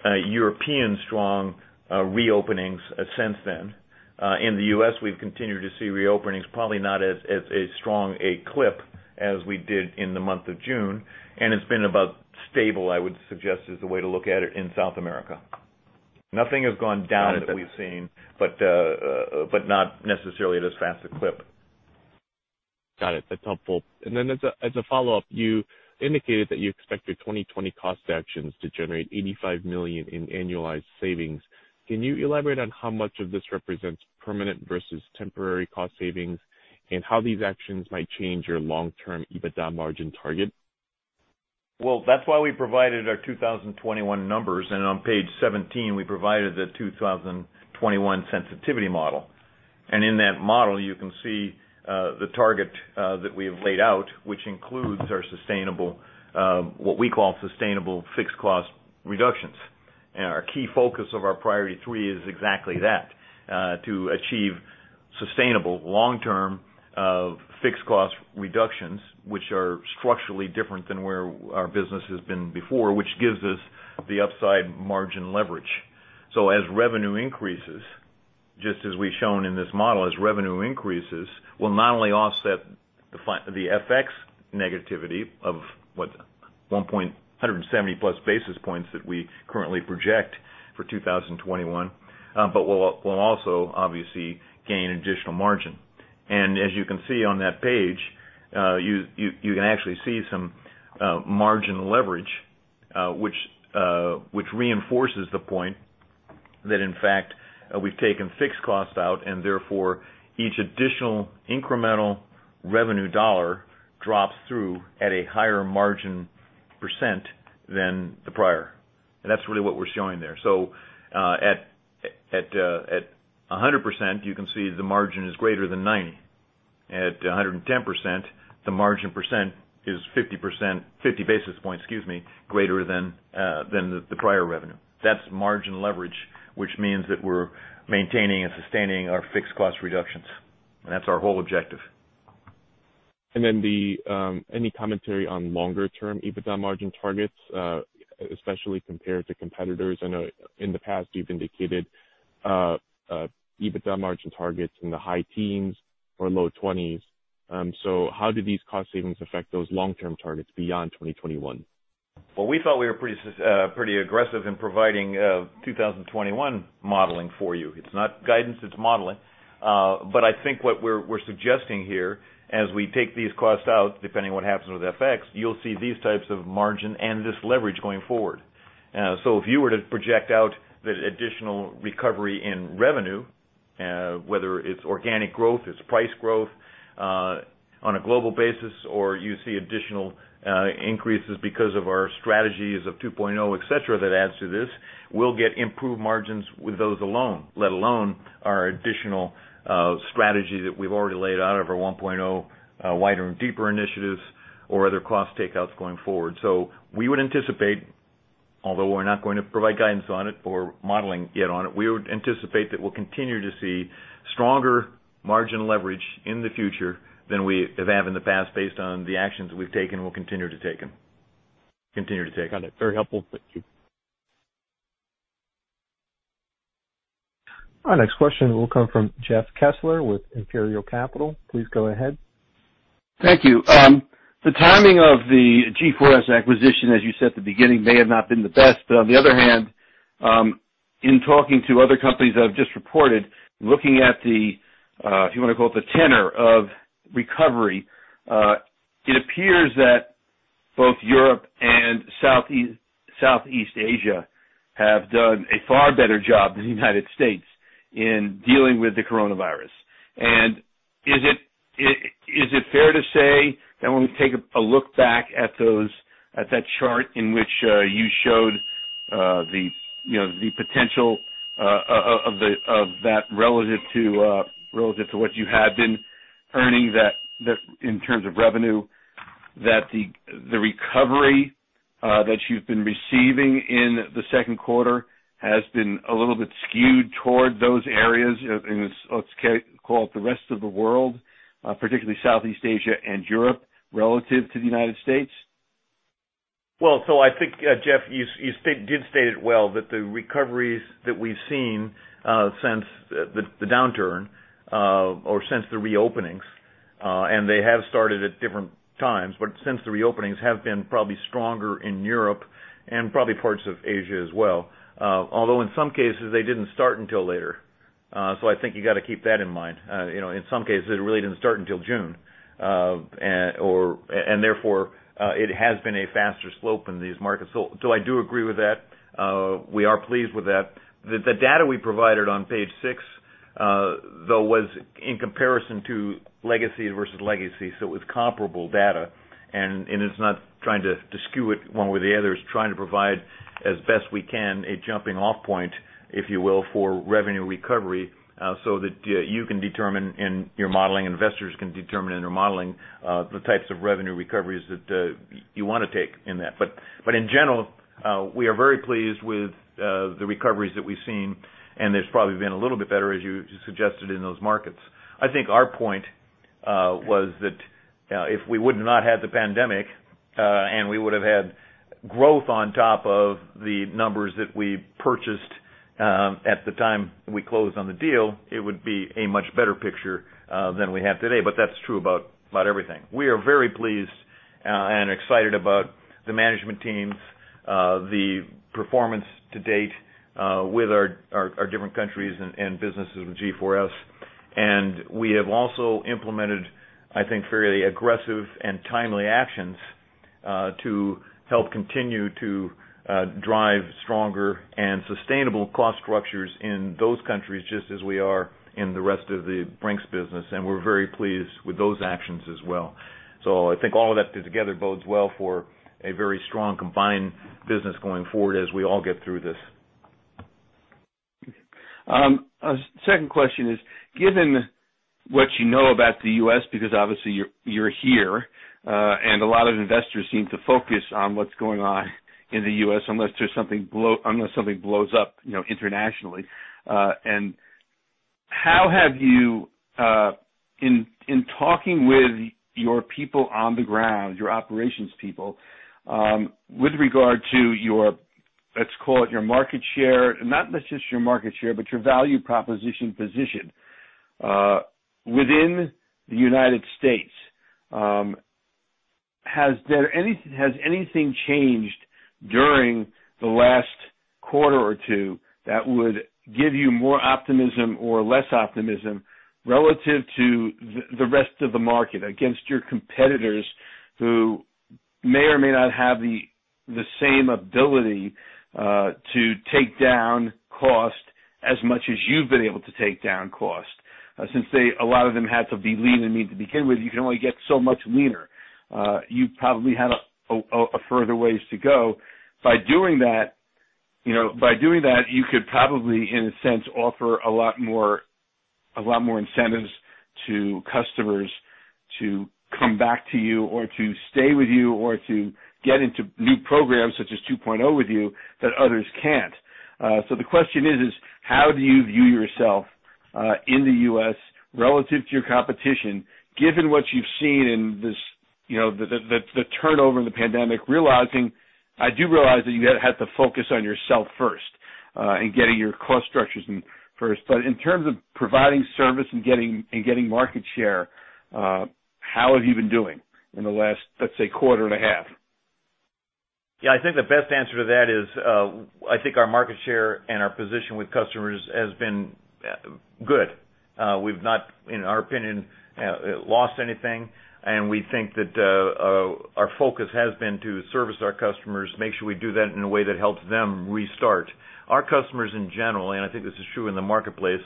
European strong reopenings since then. In the U.S., we've continued to see reopenings, probably not as strong a clip as we did in the month of June, and it's been about stable, I would suggest, is the way to look at it in South America. Nothing has gone down that we've seen, not necessarily at as fast a clip. Got it. That's helpful. As a follow-up, you indicated that you expect your 2020 cost actions to generate $85 million in annualized savings. Can you elaborate on how much of this represents permanent versus temporary cost savings and how these actions might change your long-term EBITDA margin target? That's why we provided our 2021 numbers. On page 17, we provided the 2021 sensitivity model. In that model, you can see the target that we have laid out, which includes what we call sustainable fixed cost reductions. Our key focus of our priority three is exactly that, to achieve sustainable long-term fixed cost reductions, which are structurally different than where our business has been before, which gives us the upside margin leverage. As revenue increases, just as we've shown in this model, as revenue increases, will not only offset the FX negativity of what, 170+ basis points that we currently project for 2021, but we'll also obviously gain additional margin. As you can see on that page, you can actually see some margin leverage, which reinforces the point that, in fact, we've taken fixed costs out and therefore each additional incremental revenue dollar drops through at a higher margin percent than the prior. That's really what we're showing there. At 100%, you can see the margin is greater than 90%. At 110%, the margin percent is 50 basis points greater than the prior revenue. That's margin leverage, which means that we're maintaining and sustaining our fixed cost reductions, and that's our whole objective. Any commentary on longer term EBITDA margin targets, especially compared to competitors? I know in the past you've indicated EBITDA margin targets in the high-teens or low-20s. How do these cost savings affect those long-term targets beyond 2021? We thought we were pretty aggressive in providing 2021 modeling for you. It's not guidance, it's modeling. I think what we're suggesting here, as we take these costs out, depending what happens with FX, you'll see these types of margin and this leverage going forward. If you were to project out the additional recovery in revenue, whether it's organic growth, it's price growth on a global basis, or you see additional increases because of our strategies of 2.0, et cetera, that adds to this, we'll get improved margins with those alone. Let alone our additional strategy that we've already laid out of our 1.0 wider and deeper initiatives or other cost takeouts going forward. We would anticipate, although we're not going to provide guidance on it or modeling yet on it, we would anticipate that we'll continue to see stronger margin leverage in the future than we have in the past based on the actions that we've taken and will continue to take. Got it. Very helpful. Thank you. Our next question will come from Jeff Kessler with Imperial Capital. Please go ahead. Thank you. The timing of the G4S acquisition, as you said at the beginning, may have not been the best. On the other hand, in talking to other companies that have just reported, looking at the, if you want to call it the tenor of recovery, it appears that both Europe and Southeast Asia have done a far better job than the United States in dealing with the coronavirus. Is it fair to say that when we take a look back at that chart in which you showed the potential of that relative to what you had been earning in terms of revenue, that the recovery that you've been receiving in the second quarter has been a little bit skewed toward those areas in, let's call it the rest of the world, particularly Southeast Asia and Europe, relative to the United States? I think, Jeff, you did state it well, that the recoveries that we've seen since the downturn or since the reopenings, and they have started at different times, but since the reopenings have been probably stronger in Europe and probably parts of Asia as well. Although in some cases they didn't start until later. I think you got to keep that in mind. In some cases, it really didn't start until June. Therefore, it has been a faster slope in these markets. I do agree with that. We are pleased with that. The data we provided on page six, though, was in comparison to legacy versus legacy, so it was comparable data, and it's not trying to skew it one way or the other. It's trying to provide as best we can, a jumping off point, if you will, for revenue recovery so that you can determine in your modeling, investors can determine in their modeling the types of revenue recoveries that you want to take in that. In general, we are very pleased with the recoveries that we've seen, and there's probably been a little bit better, as you suggested in those markets. I think our point was that if we would have not had the pandemic, and we would have had growth on top of the numbers that we purchased at the time we closed on the deal, it would be a much better picture than we have today. That's true about everything. We are very pleased and excited about the management teams, the performance to date with our different countries and businesses with G4S. We have also implemented, I think, fairly aggressive and timely actions to help continue to drive stronger and sustainable cost structures in those countries, just as we are in the rest of the Brink's business. We're very pleased with those actions as well. I think all of that together bodes well for a very strong combined business going forward as we all get through this. Second question is, given what you know about the U.S., because obviously you're here, a lot of investors seem to focus on what's going on in the U.S., unless something blows up internationally. How have you, in talking with your people on the ground, your operations people, with regard to your, let's call it your market share, not just your market share, but your value proposition position within the United States, has anything changed during the last quarter or two that would give you more optimism or less optimism relative to the rest of the market against your competitors who may or may not have the same ability to take down cost as much as you've been able to take down cost? Since a lot of them had to be lean and mean to begin with, you can only get so much leaner. You probably had a further ways to go. By doing that you could probably, in a sense, offer a lot more incentives to customers to come back to you or to stay with you or to get into new programs such as 2.0 with you that others can't. The question is: how do you view yourself in the U.S. relative to your competition, given what you've seen in the turnover in the pandemic? I do realize that you had to focus on yourself first, in getting your cost structures first. In terms of providing service and getting market share, how have you been doing in the last, let's say, quarter and a half? I think the best answer to that is I think our market share and our position with customers has been good. We've not, in our opinion, lost anything, and we think that our focus has been to service our customers, make sure we do that in a way that helps them restart. Our customers in general, and I think this is true in the marketplace,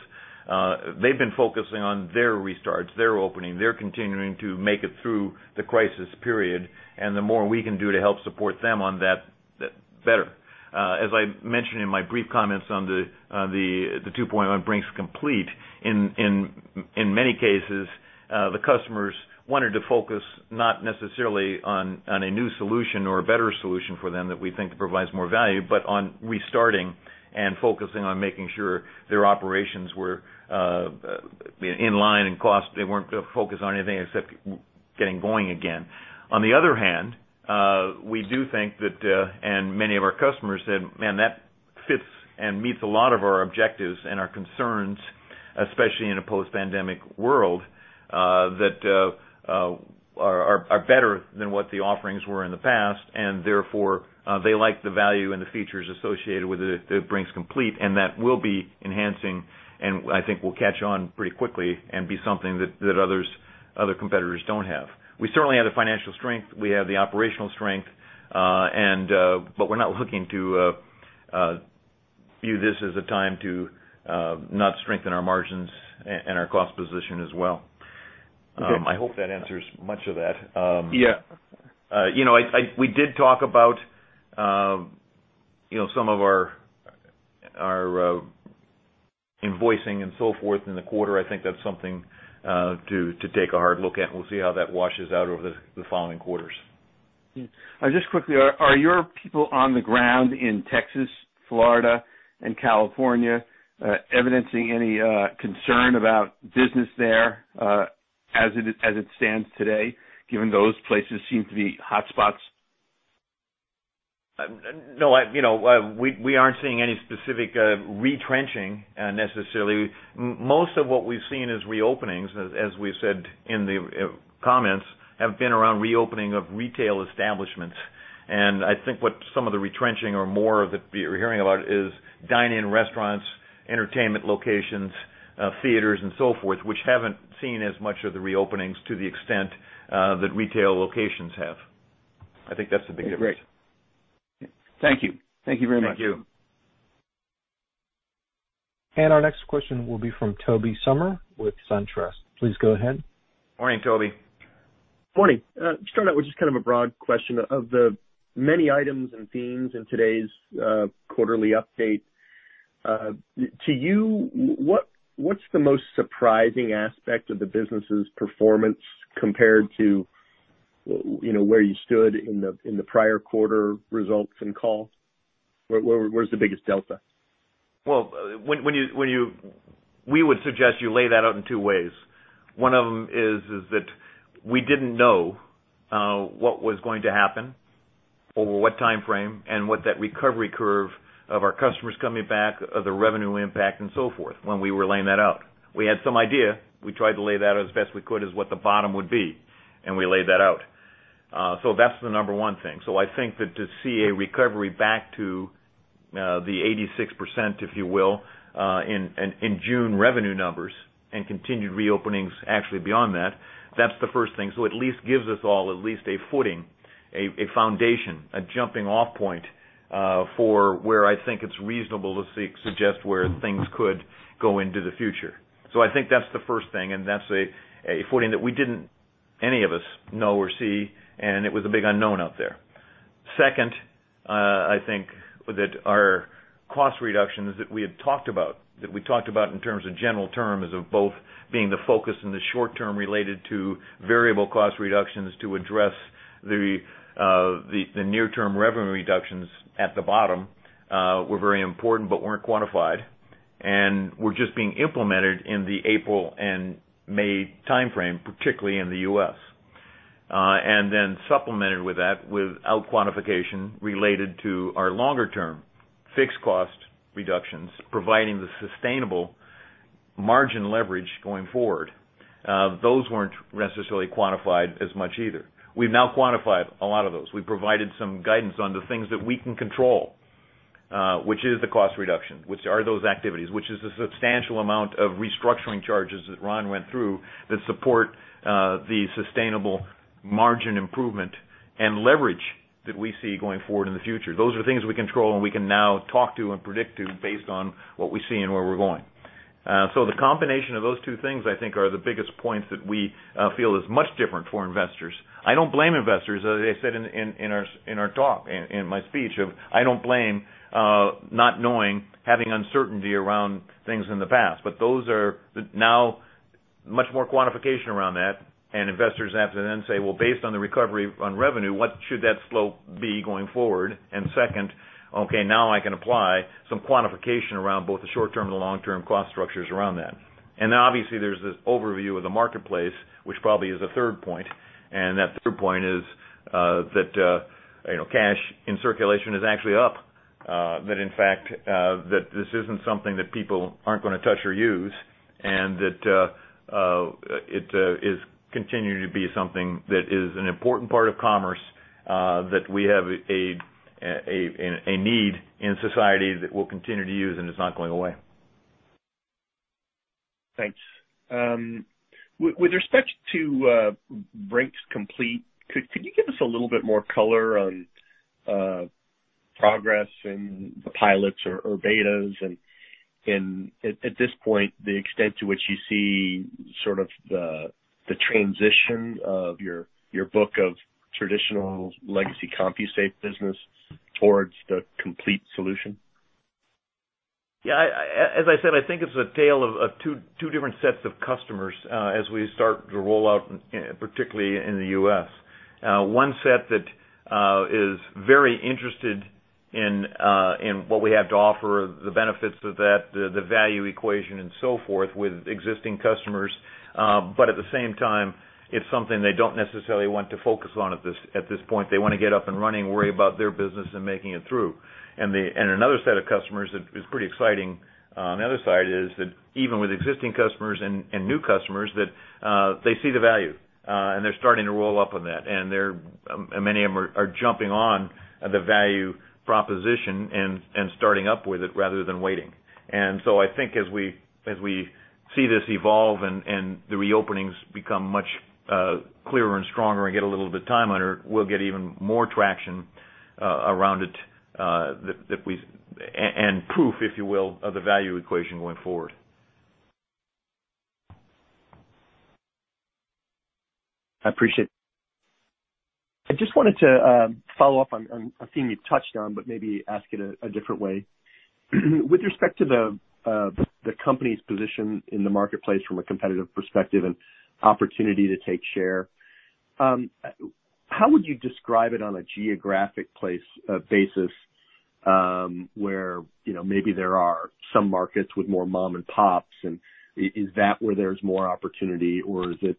they've been focusing on their restarts, their opening, their continuing to make it through the crisis period. The more we can do to help support them on that, the better. As I mentioned in my brief comments on the 2.0 Brink's Complete, in many cases, the customers wanted to focus not necessarily on a new solution or a better solution for them that we think provides more value, but on restarting and focusing on making sure their operations were in line in cost. They weren't focused on anything except getting going again. We do think that, and many of our customers said, "Man, that fits and meets a lot of our objectives and our concerns," especially in a post-pandemic world, that are better than what the offerings were in the past, and therefore, they like the value and the features associated with it at Brink's Complete. That will be enhancing and I think will catch on pretty quickly and be something that other competitors don't have. We certainly have the financial strength. We have the operational strength. We're not looking to view this as a time to not strengthen our margins and our cost position as well. Okay. I hope that answers much of that. Yeah. We did talk about some of our invoicing and so forth in the quarter. I think that's something to take a hard look at, and we'll see how that washes out over the following quarters. Just quickly, are your people on the ground in Texas, Florida, and California evidencing any concern about business there as it stands today, given those places seem to be hotspots? No. We aren't seeing any specific retrenching necessarily. Most of what we've seen is reopenings, as we've said in the comments, have been around reopening of retail establishments. I think what some of the retrenching or more of it we're hearing about is dine-in restaurants, entertainment locations, theaters and so forth, which haven't seen as much of the reopenings to the extent that retail locations have. I think that's the big difference. Great. Thank you. Thank you very much. Thank you. Our next question will be from Tobey Sommer with Truist. Please go ahead. Morning, Tobey. Morning. Start out with just kind of a broad question. Of the many items and themes in today's quarterly update, to you, what's the most surprising aspect of the business's performance compared to where you stood in the prior quarter results and call? Where's the biggest delta? Well, we would suggest you lay that out in two ways. One of them is that we didn't know what was going to happen over what timeframe and what that recovery curve of our customers coming back, the revenue impact and so forth when we were laying that out. We had some idea. We tried to lay that out as best we could as what the bottom would be, and we laid that out. That's the number one thing. I think that to see a recovery back to the 86%, if you will, in June revenue numbers and continued reopenings actually beyond that's the first thing. At least gives us all at least a footing, a foundation, a jumping-off point for where I think it's reasonable to suggest where things could go into the future. I think that's the first thing, and that's a footing that we didn't, any of us, know or see, and it was a big unknown out there. Second, I think that our cost reductions that we had talked about, that we talked about in terms of general terms of both being the focus in the short term related to variable cost reductions to address the near-term revenue reductions at the bottom were very important but weren't quantified, and were just being implemented in the April and May timeframe, particularly in the U.S., supplemented with that without quantification related to our longer-term fixed cost reductions, providing the sustainable margin leverage going forward. Those weren't necessarily quantified as much either. We've now quantified a lot of those. We've provided some guidance on the things that we can control, which is the cost reduction, which are those activities, which is the substantial amount of restructuring charges that Ron went through that support the sustainable margin improvement and leverage that we see going forward in the future. Those are things we control, and we can now talk to and predict to based on what we see and where we're going. The combination of those two things, I think, are the biggest points that we feel is much different for investors. I don't blame investors, as I said in our talk, in my speech of I don't blame not knowing, having uncertainty around things in the past. Those are now much more quantification around that. Investors have to then say, "Well, based on the recovery on revenue, what should that slope be going forward?" Second, "Okay, now I can apply some quantification around both the short-term and the long-term cost structures around that." Obviously, there's this overview of the marketplace, which probably is a third point, and that third point is that cash in circulation is actually up. In fact, this isn't something that people aren't going to touch or use, and that it is continuing to be something that is an important part of commerce. We have a need in society that we'll continue to use and it's not going away. Thanks. With respect to Brink's Complete, could you give us a little bit more color on progress in the pilots or betas and, at this point, the extent to which you see sort of the transition of your book of traditional legacy CompuSafe business towards the Complete solution? Yeah. As I said, I think it's a tale of two different sets of customers as we start to roll out, particularly in the U.S. One set that is very interested in what we have to offer, the benefits of that, the value equation and so forth with existing customers. At the same time, it's something they don't necessarily want to focus on at this point. They want to get up and running, worry about their business and making it through. Another set of customers that is pretty exciting on the other side is that even with existing customers and new customers, that they see the value. They're starting to roll up on that. Many of them are jumping on the value proposition and starting up with it rather than waiting. I think as we see this evolve and the reopenings become much clearer and stronger and get a little bit of time under, we'll get even more traction around it, and proof, if you will, of the value equation going forward. I appreciate it. I just wanted to follow up on a thing you touched on, but maybe ask it a different way. With respect to the company's position in the marketplace from a competitive perspective and opportunity to take share, how would you describe it on a geographic basis, where maybe there are some markets with more mom and pops, and is that where there's more opportunity? Or is it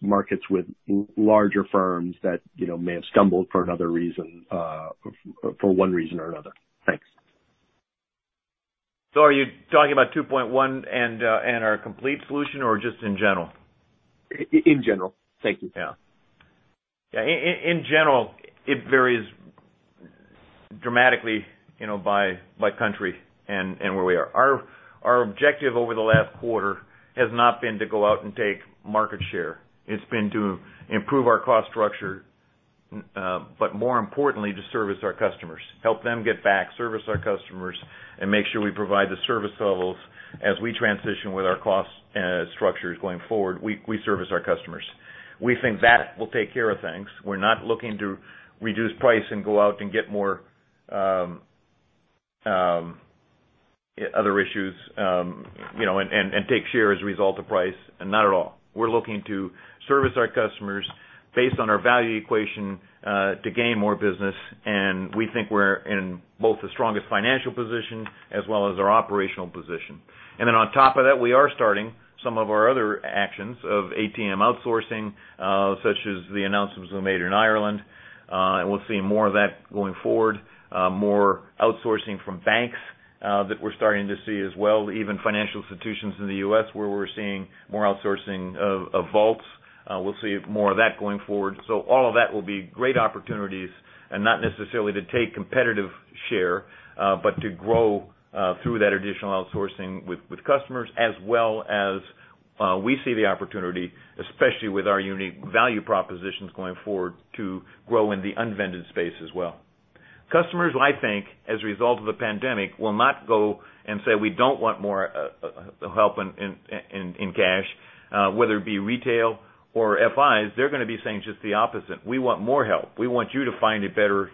markets with larger firms that may have stumbled for one reason or another? Thanks. Are you talking about 2.1 and our Complete solution or just in general? In general. Thank you. Yeah. In general, it varies dramatically by country and where we are. Our objective over the last quarter has not been to go out and take market share. It's been to improve our cost structure, but more importantly, to service our customers. Help them get back, service our customers, and make sure we provide the service levels as we transition with our cost structures going forward. We service our customers. We think that will take care of things. We're not looking to reduce price and go out and get more other issues, and take share as a result of price. Not at all. We're looking to service our customers based on our value equation to gain more business, and we think we're in both the strongest financial position as well as our operational position. On top of that, we are starting some of our other actions of ATM outsourcing such as the announcements we made in Ireland. We'll see more of that going forward. More outsourcing from banks that we're starting to see as well. Even financial institutions in the U.S. where we're seeing more outsourcing of vaults. We'll see more of that going forward. All of that will be great opportunities and not necessarily to take competitive share but to grow through that additional outsourcing with customers as well as we see the opportunity, especially with our unique value propositions going forward to grow in the unvended space as well. Customers, I think, as a result of the pandemic will not go and say, "We don't want more help in cash," whether it be retail or FIs, they're going to be saying just the opposite. We want more help. We want you to find a better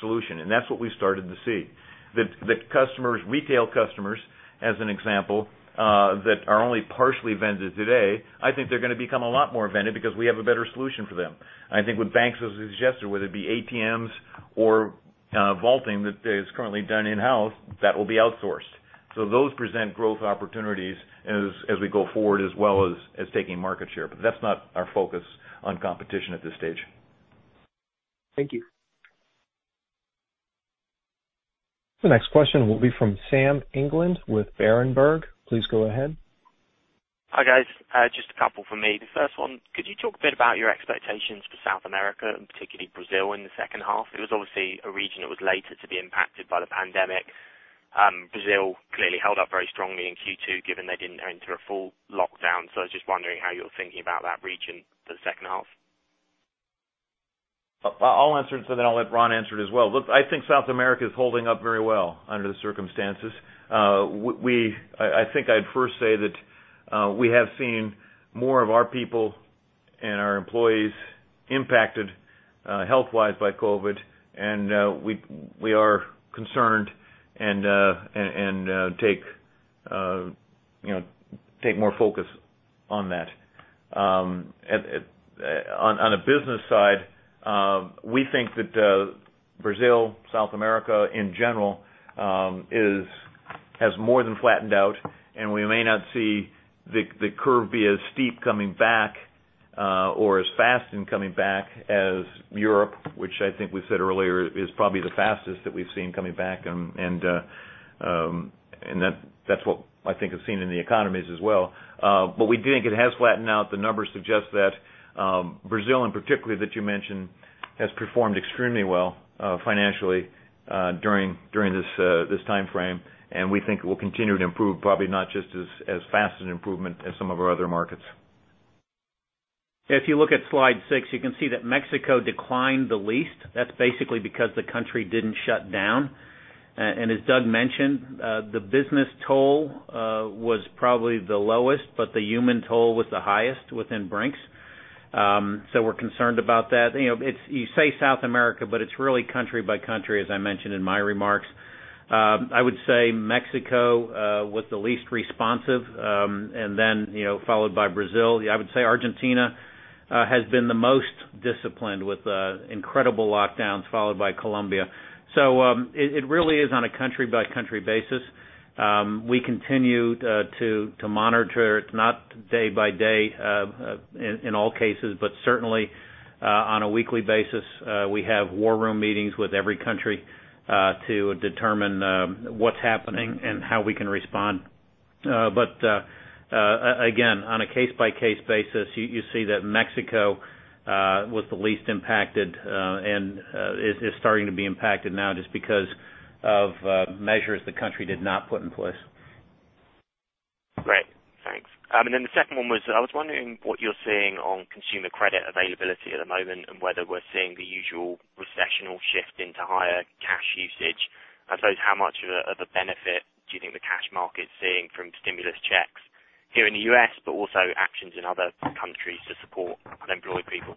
solution. That's what we started to see. That retail customers, as an example, that are only partially vended today, I think they're going to become a lot more vended because we have a better solution for them. I think with banks, as we suggested, whether it be ATMs or vaulting that is currently done in-house, that will be outsourced. Those present growth opportunities as we go forward as well as taking market share. That's not our focus on competition at this stage. Thank you. The next question will be from Sam England with Berenberg. Please go ahead. Hi, guys. Just a couple from me. The first one, could you talk a bit about your expectations for South America and particularly Brazil in the second half? It was obviously a region that was later to be impacted by the pandemic. Brazil clearly held up very strongly in Q2 given they didn't enter a full lockdown. I was just wondering how you're thinking about that region for the second half. I'll answer it, and then I'll let Ron answer it as well. Look, I think South America is holding up very well under the circumstances. I think I'd first say that we have seen more of our people and our employees impacted health-wise by COVID and we are concerned and take more focus on that. On a business side, we think that Brazil, South America in general has more than flattened out, and we may not see the curve be as steep coming back or as fast in coming back as Europe, which I think we said earlier is probably the fastest that we've seen coming back. That's what I think is seen in the economies as well. We think it has flattened out. The numbers suggest that Brazil, in particular, that you mentioned, has performed extremely well financially during this time frame, and we think it will continue to improve, probably not just as fast an improvement as some of our other markets. If you look at slide six, you can see that Mexico declined the least. That's basically because the country didn't shut down. As Doug mentioned, the business toll was probably the lowest, but the human toll was the highest within Brink's. We're concerned about that. You say South America, but it's really country by country, as I mentioned in my remarks. I would say Mexico was the least responsive and then followed by Brazil. I would say Argentina has been the most disciplined with incredible lockdowns, followed by Colombia. It really is on a country-by-country basis. We continue to monitor, not day by day in all cases, but certainly on a weekly basis. We have war room meetings with every country to determine what's happening and how we can respond. Again, on a case-by-case basis, you see that Mexico was the least impacted and is starting to be impacted now just because of measures the country did not put in place. Great. Thanks. The second one was, I was wondering what you're seeing on consumer credit availability at the moment and whether we're seeing the usual recessional shift into higher cash usage. I suppose, how much of a benefit do you think the cash market's seeing from stimulus checks here in the U.S., but also actions in other countries to support unemployed people?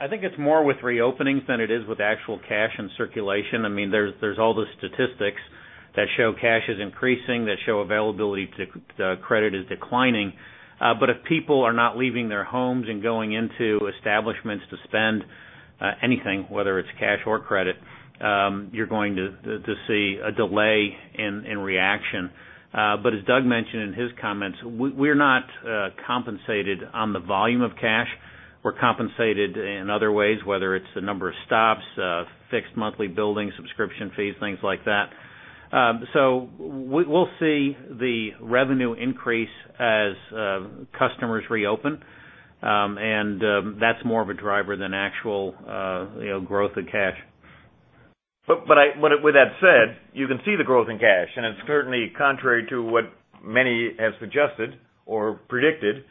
I think it's more with reopenings than it is with actual cash in circulation. There's all the statistics that show cash is increasing, that show availability to credit is declining. If people are not leaving their homes and going into establishments to spend anything, whether it's cash or credit, you're going to see a delay in reaction. As Doug mentioned in his comments, we're not compensated on the volume of cash. We're compensated in other ways, whether it's the number of stops, fixed monthly building subscription fees, things like that. We'll see the revenue increase as customers reopen. That's more of a driver than actual growth in cash. With that said, you can see the growth in cash, and it's certainly contrary to what many have suggested or predicted.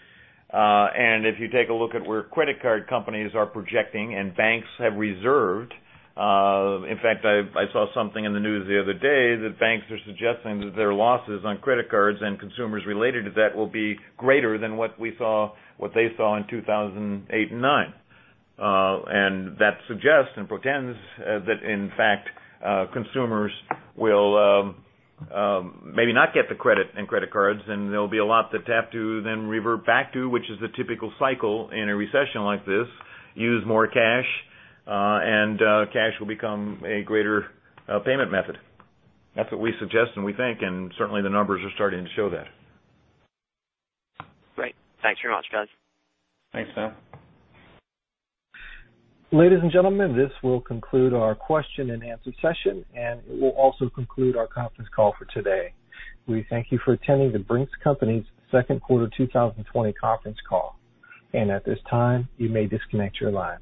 If you take a look at where credit card companies are projecting and banks have reserved, in fact, I saw something in the news the other day that banks are suggesting that their losses on credit cards and consumers related to that will be greater than what they saw in 2008 and 2009. That suggests and portends that, in fact, consumers will maybe not get the credit and credit cards, and there'll be a lot that they have to then revert back to, which is the typical cycle in a recession like this, use more cash, and cash will become a greater payment method. That's what we suggest and we think, and certainly the numbers are starting to show that. Great. Thanks very much, guys. Thanks, Sam. Ladies and gentlemen, this will conclude our question-and-answer session, and it will also conclude our conference call for today. We thank you for attending The Brink's Company's second quarter 2020 conference call. At this time, you may disconnect your lines.